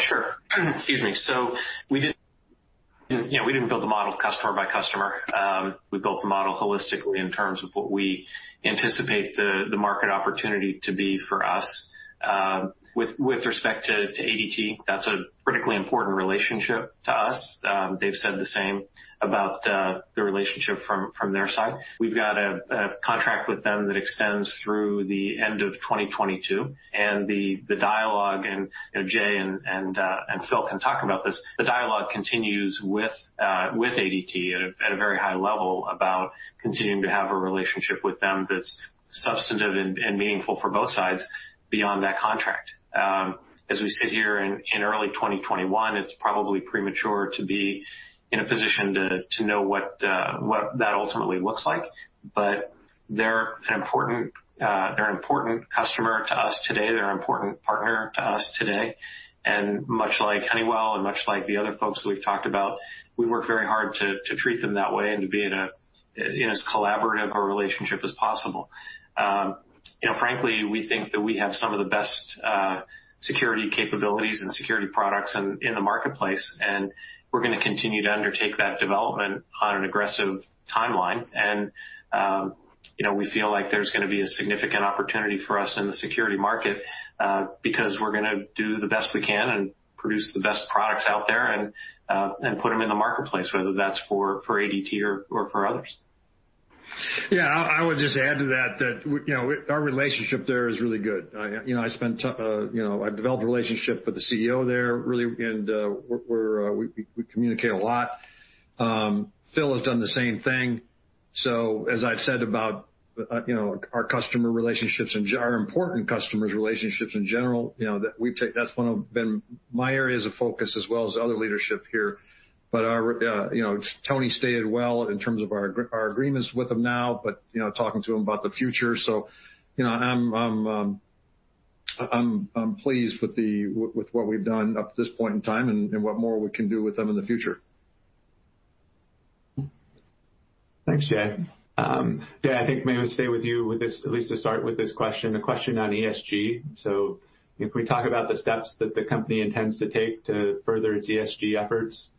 Sure. Excuse me. We didn't build the model customer by customer. We built the model holistically in terms of what we anticipate the market opportunity to be for us. With respect to ADT, that's a critically important relationship to us. They've said the same about the relationship from their side. We've got a contract with them that extends through the end of 2022, and the dialogue, and Jay and Phil can talk about this, continues with ADT at a very high level about continuing to have a relationship with them that's substantive and meaningful for both sides beyond that contract. As we sit here in early 2021, it's probably premature to be in a position to know what that ultimately looks like. They're an important customer to us today. They're an important partner to us today. Much like Honeywell and much like the other folks that we've talked about, we work very hard to treat them that way and to be in as collaborative a relationship as possible. Frankly, we think that we have some of the best security capabilities and security products in the marketplace, and we're going to continue to undertake that development on an aggressive timeline. We feel like there's going to be a significant opportunity for us in the security market because we're going to do the best we can and produce the best products out there and put them in the marketplace, whether that's for ADT or for others. I would just add to that our relationship there is really good. I've developed a relationship with the CEO there, really, and we communicate a lot. Phil has done the same thing. As I've said about our customer relationships and our important customers' relationships in general, that's one of been my areas of focus as well as the other leadership here. Tony stated well in terms of our agreements with them now, but talking to them about the future. I'm pleased with what we've done up to this point in time and what more we can do with them in the future. Thanks, Jay. Jay, I think maybe we stay with you with this, at least to start with this question, a question on ESG. If we talk about the steps that the company intends to take to further its ESG efforts,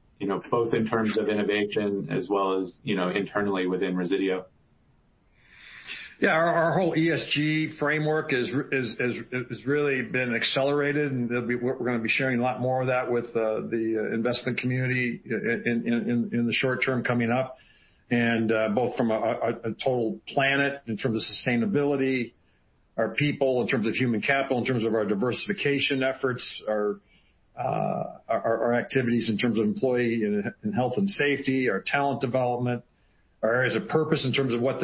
both in terms of innovation as well as internally within Resideo. Yeah. Our whole ESG framework has really been accelerated, and we're going to be sharing a lot more of that with the investment community in the short term coming up, and both from a total planet in terms of sustainability, our people in terms of human capital, in terms of our diversification efforts, our activities in terms of employee in health and safety, our talent development, our areas of purpose in terms of what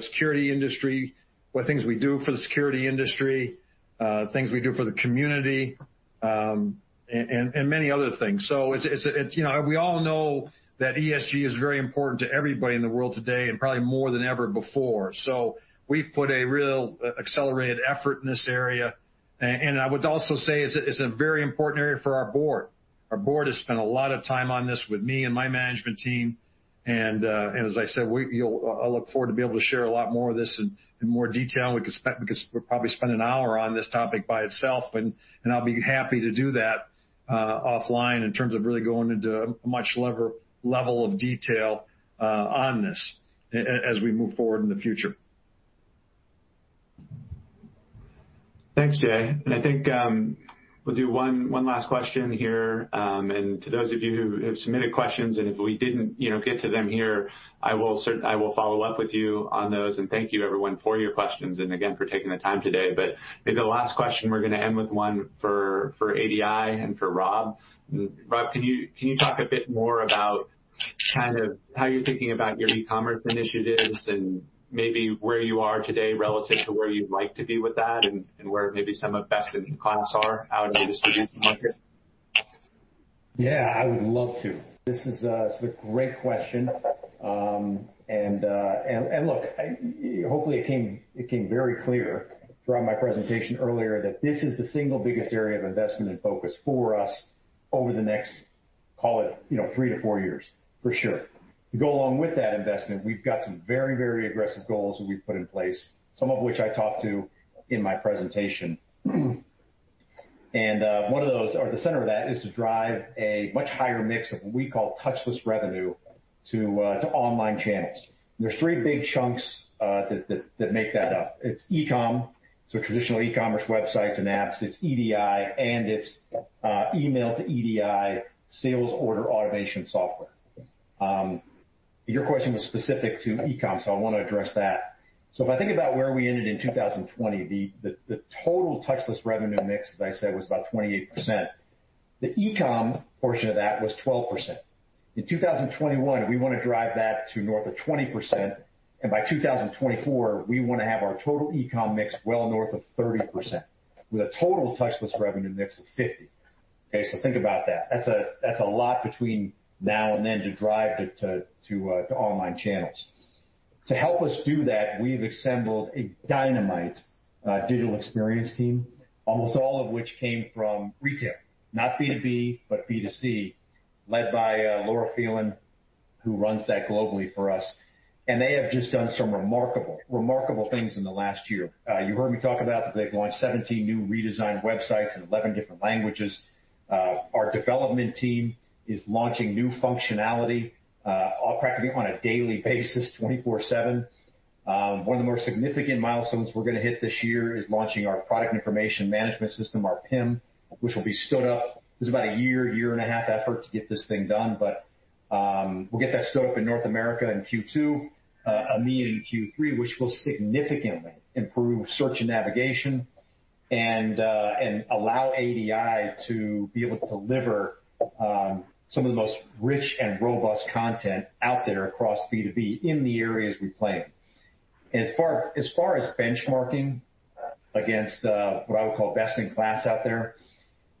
security industry, what things we do for the security industry, things we do for the community, and many other things. We all know that ESG is very important to everybody in the world today, and probably more than ever before. We've put a real accelerated effort in this area, and I would also say it's a very important area for our board. Our board has spent a lot of time on this with me and my management team. As I said, I look forward to be able to share a lot more of this in more detail. We could probably spend an hour on this topic by itself. I'll be happy to do that offline in terms of really going into a much level of detail on this as we move forward in the future. I think we'll do one last question here. To those of you who have submitted questions and if we didn't get to them here, I will follow up with you on those. Thank you everyone for your questions and again for taking the time today. Maybe the last question, we're going to end with one for ADI and for Rob. Rob, can you talk a bit more Kind of how you're thinking about your e-commerce initiatives and maybe where you are today relative to where you'd like to be with that, and where maybe some of best-in-class are out in the distribution market. Yeah, I would love to. This is a great question. Look, hopefully it came very clear throughout my presentation earlier that this is the single biggest area of investment and focus for us over the next, call it, three to four years, for sure. To go along with that investment, we've got some very, very aggressive goals that we've put in place, some of which I talked to in my presentation. One of those, or the center of that, is to drive a much higher mix of what we call touchless revenue to online channels. There's three big chunks that make that up. It's e-com, so traditional e-commerce websites and apps, it's EDI, and it's email to EDI sales order automation software. Your question was specific to e-com, I want to address that. If I think about where we ended in 2020, the total touchless revenue mix, as I said, was about 28%. The e-com portion of that was 12%. In 2021, we want to drive that to north of 20%, and by 2024, we want to have our total e-com mix well north of 30%, with a total touchless revenue mix of 50%. Okay? Think about that. That's a lot between now and then to drive to online channels. To help us do that, we've assembled a dynamite digital experience team, almost all of which came from retail. Not B2B, but B2C, led by Laura Phelan, who runs that globally for us. They have just done some remarkable things in the last year. You heard me talk about that they've launched 17 new redesigned websites in 11 different languages. Our development team is launching new functionality, all practically on a daily basis, 24/7. One of the more significant milestones we're going to hit this year is launching our product information management system, our PIM, which will be stood up. This is about a year and a half effort to get this thing done. We'll get that stood up in North America in Q2, EMEA in Q3, which will significantly improve search and navigation and allow ADI to be able to deliver some of the most rich and robust content out there across B2B in the areas we play in. As far as benchmarking against what I would call best in class out there,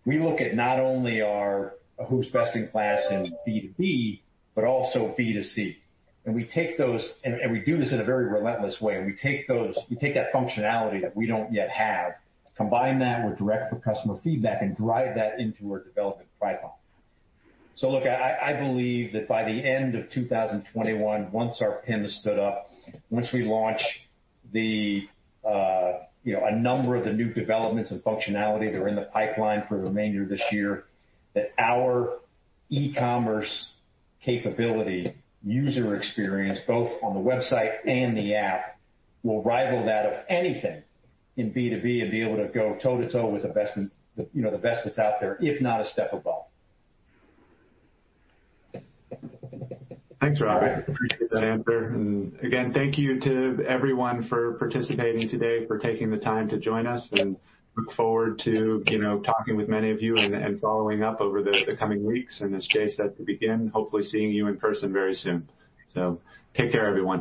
we look at not only who's best in class in B2B, but also B2C. We do this in a very relentless way, and we take that functionality that we don't yet have, combine that with direct from customer feedback and drive that into our development pipeline. Look, I believe that by the end of 2021, once our PIM is stood up, once we launch a number of the new developments and functionality that are in the pipeline for the remainder of this year, that our e-commerce capability, user experience, both on the website and the app, will rival that of anything in B2B and be able to go toe-to-toe with the best that's out there, if not a step above. Thanks, Rob. I appreciate that answer. Again, thank you to everyone for participating today, for taking the time to join us, and look forward to talking with many of you and following up over the coming weeks, and as Jay said at the beginning, hopefully seeing you in person very soon. Take care, everyone.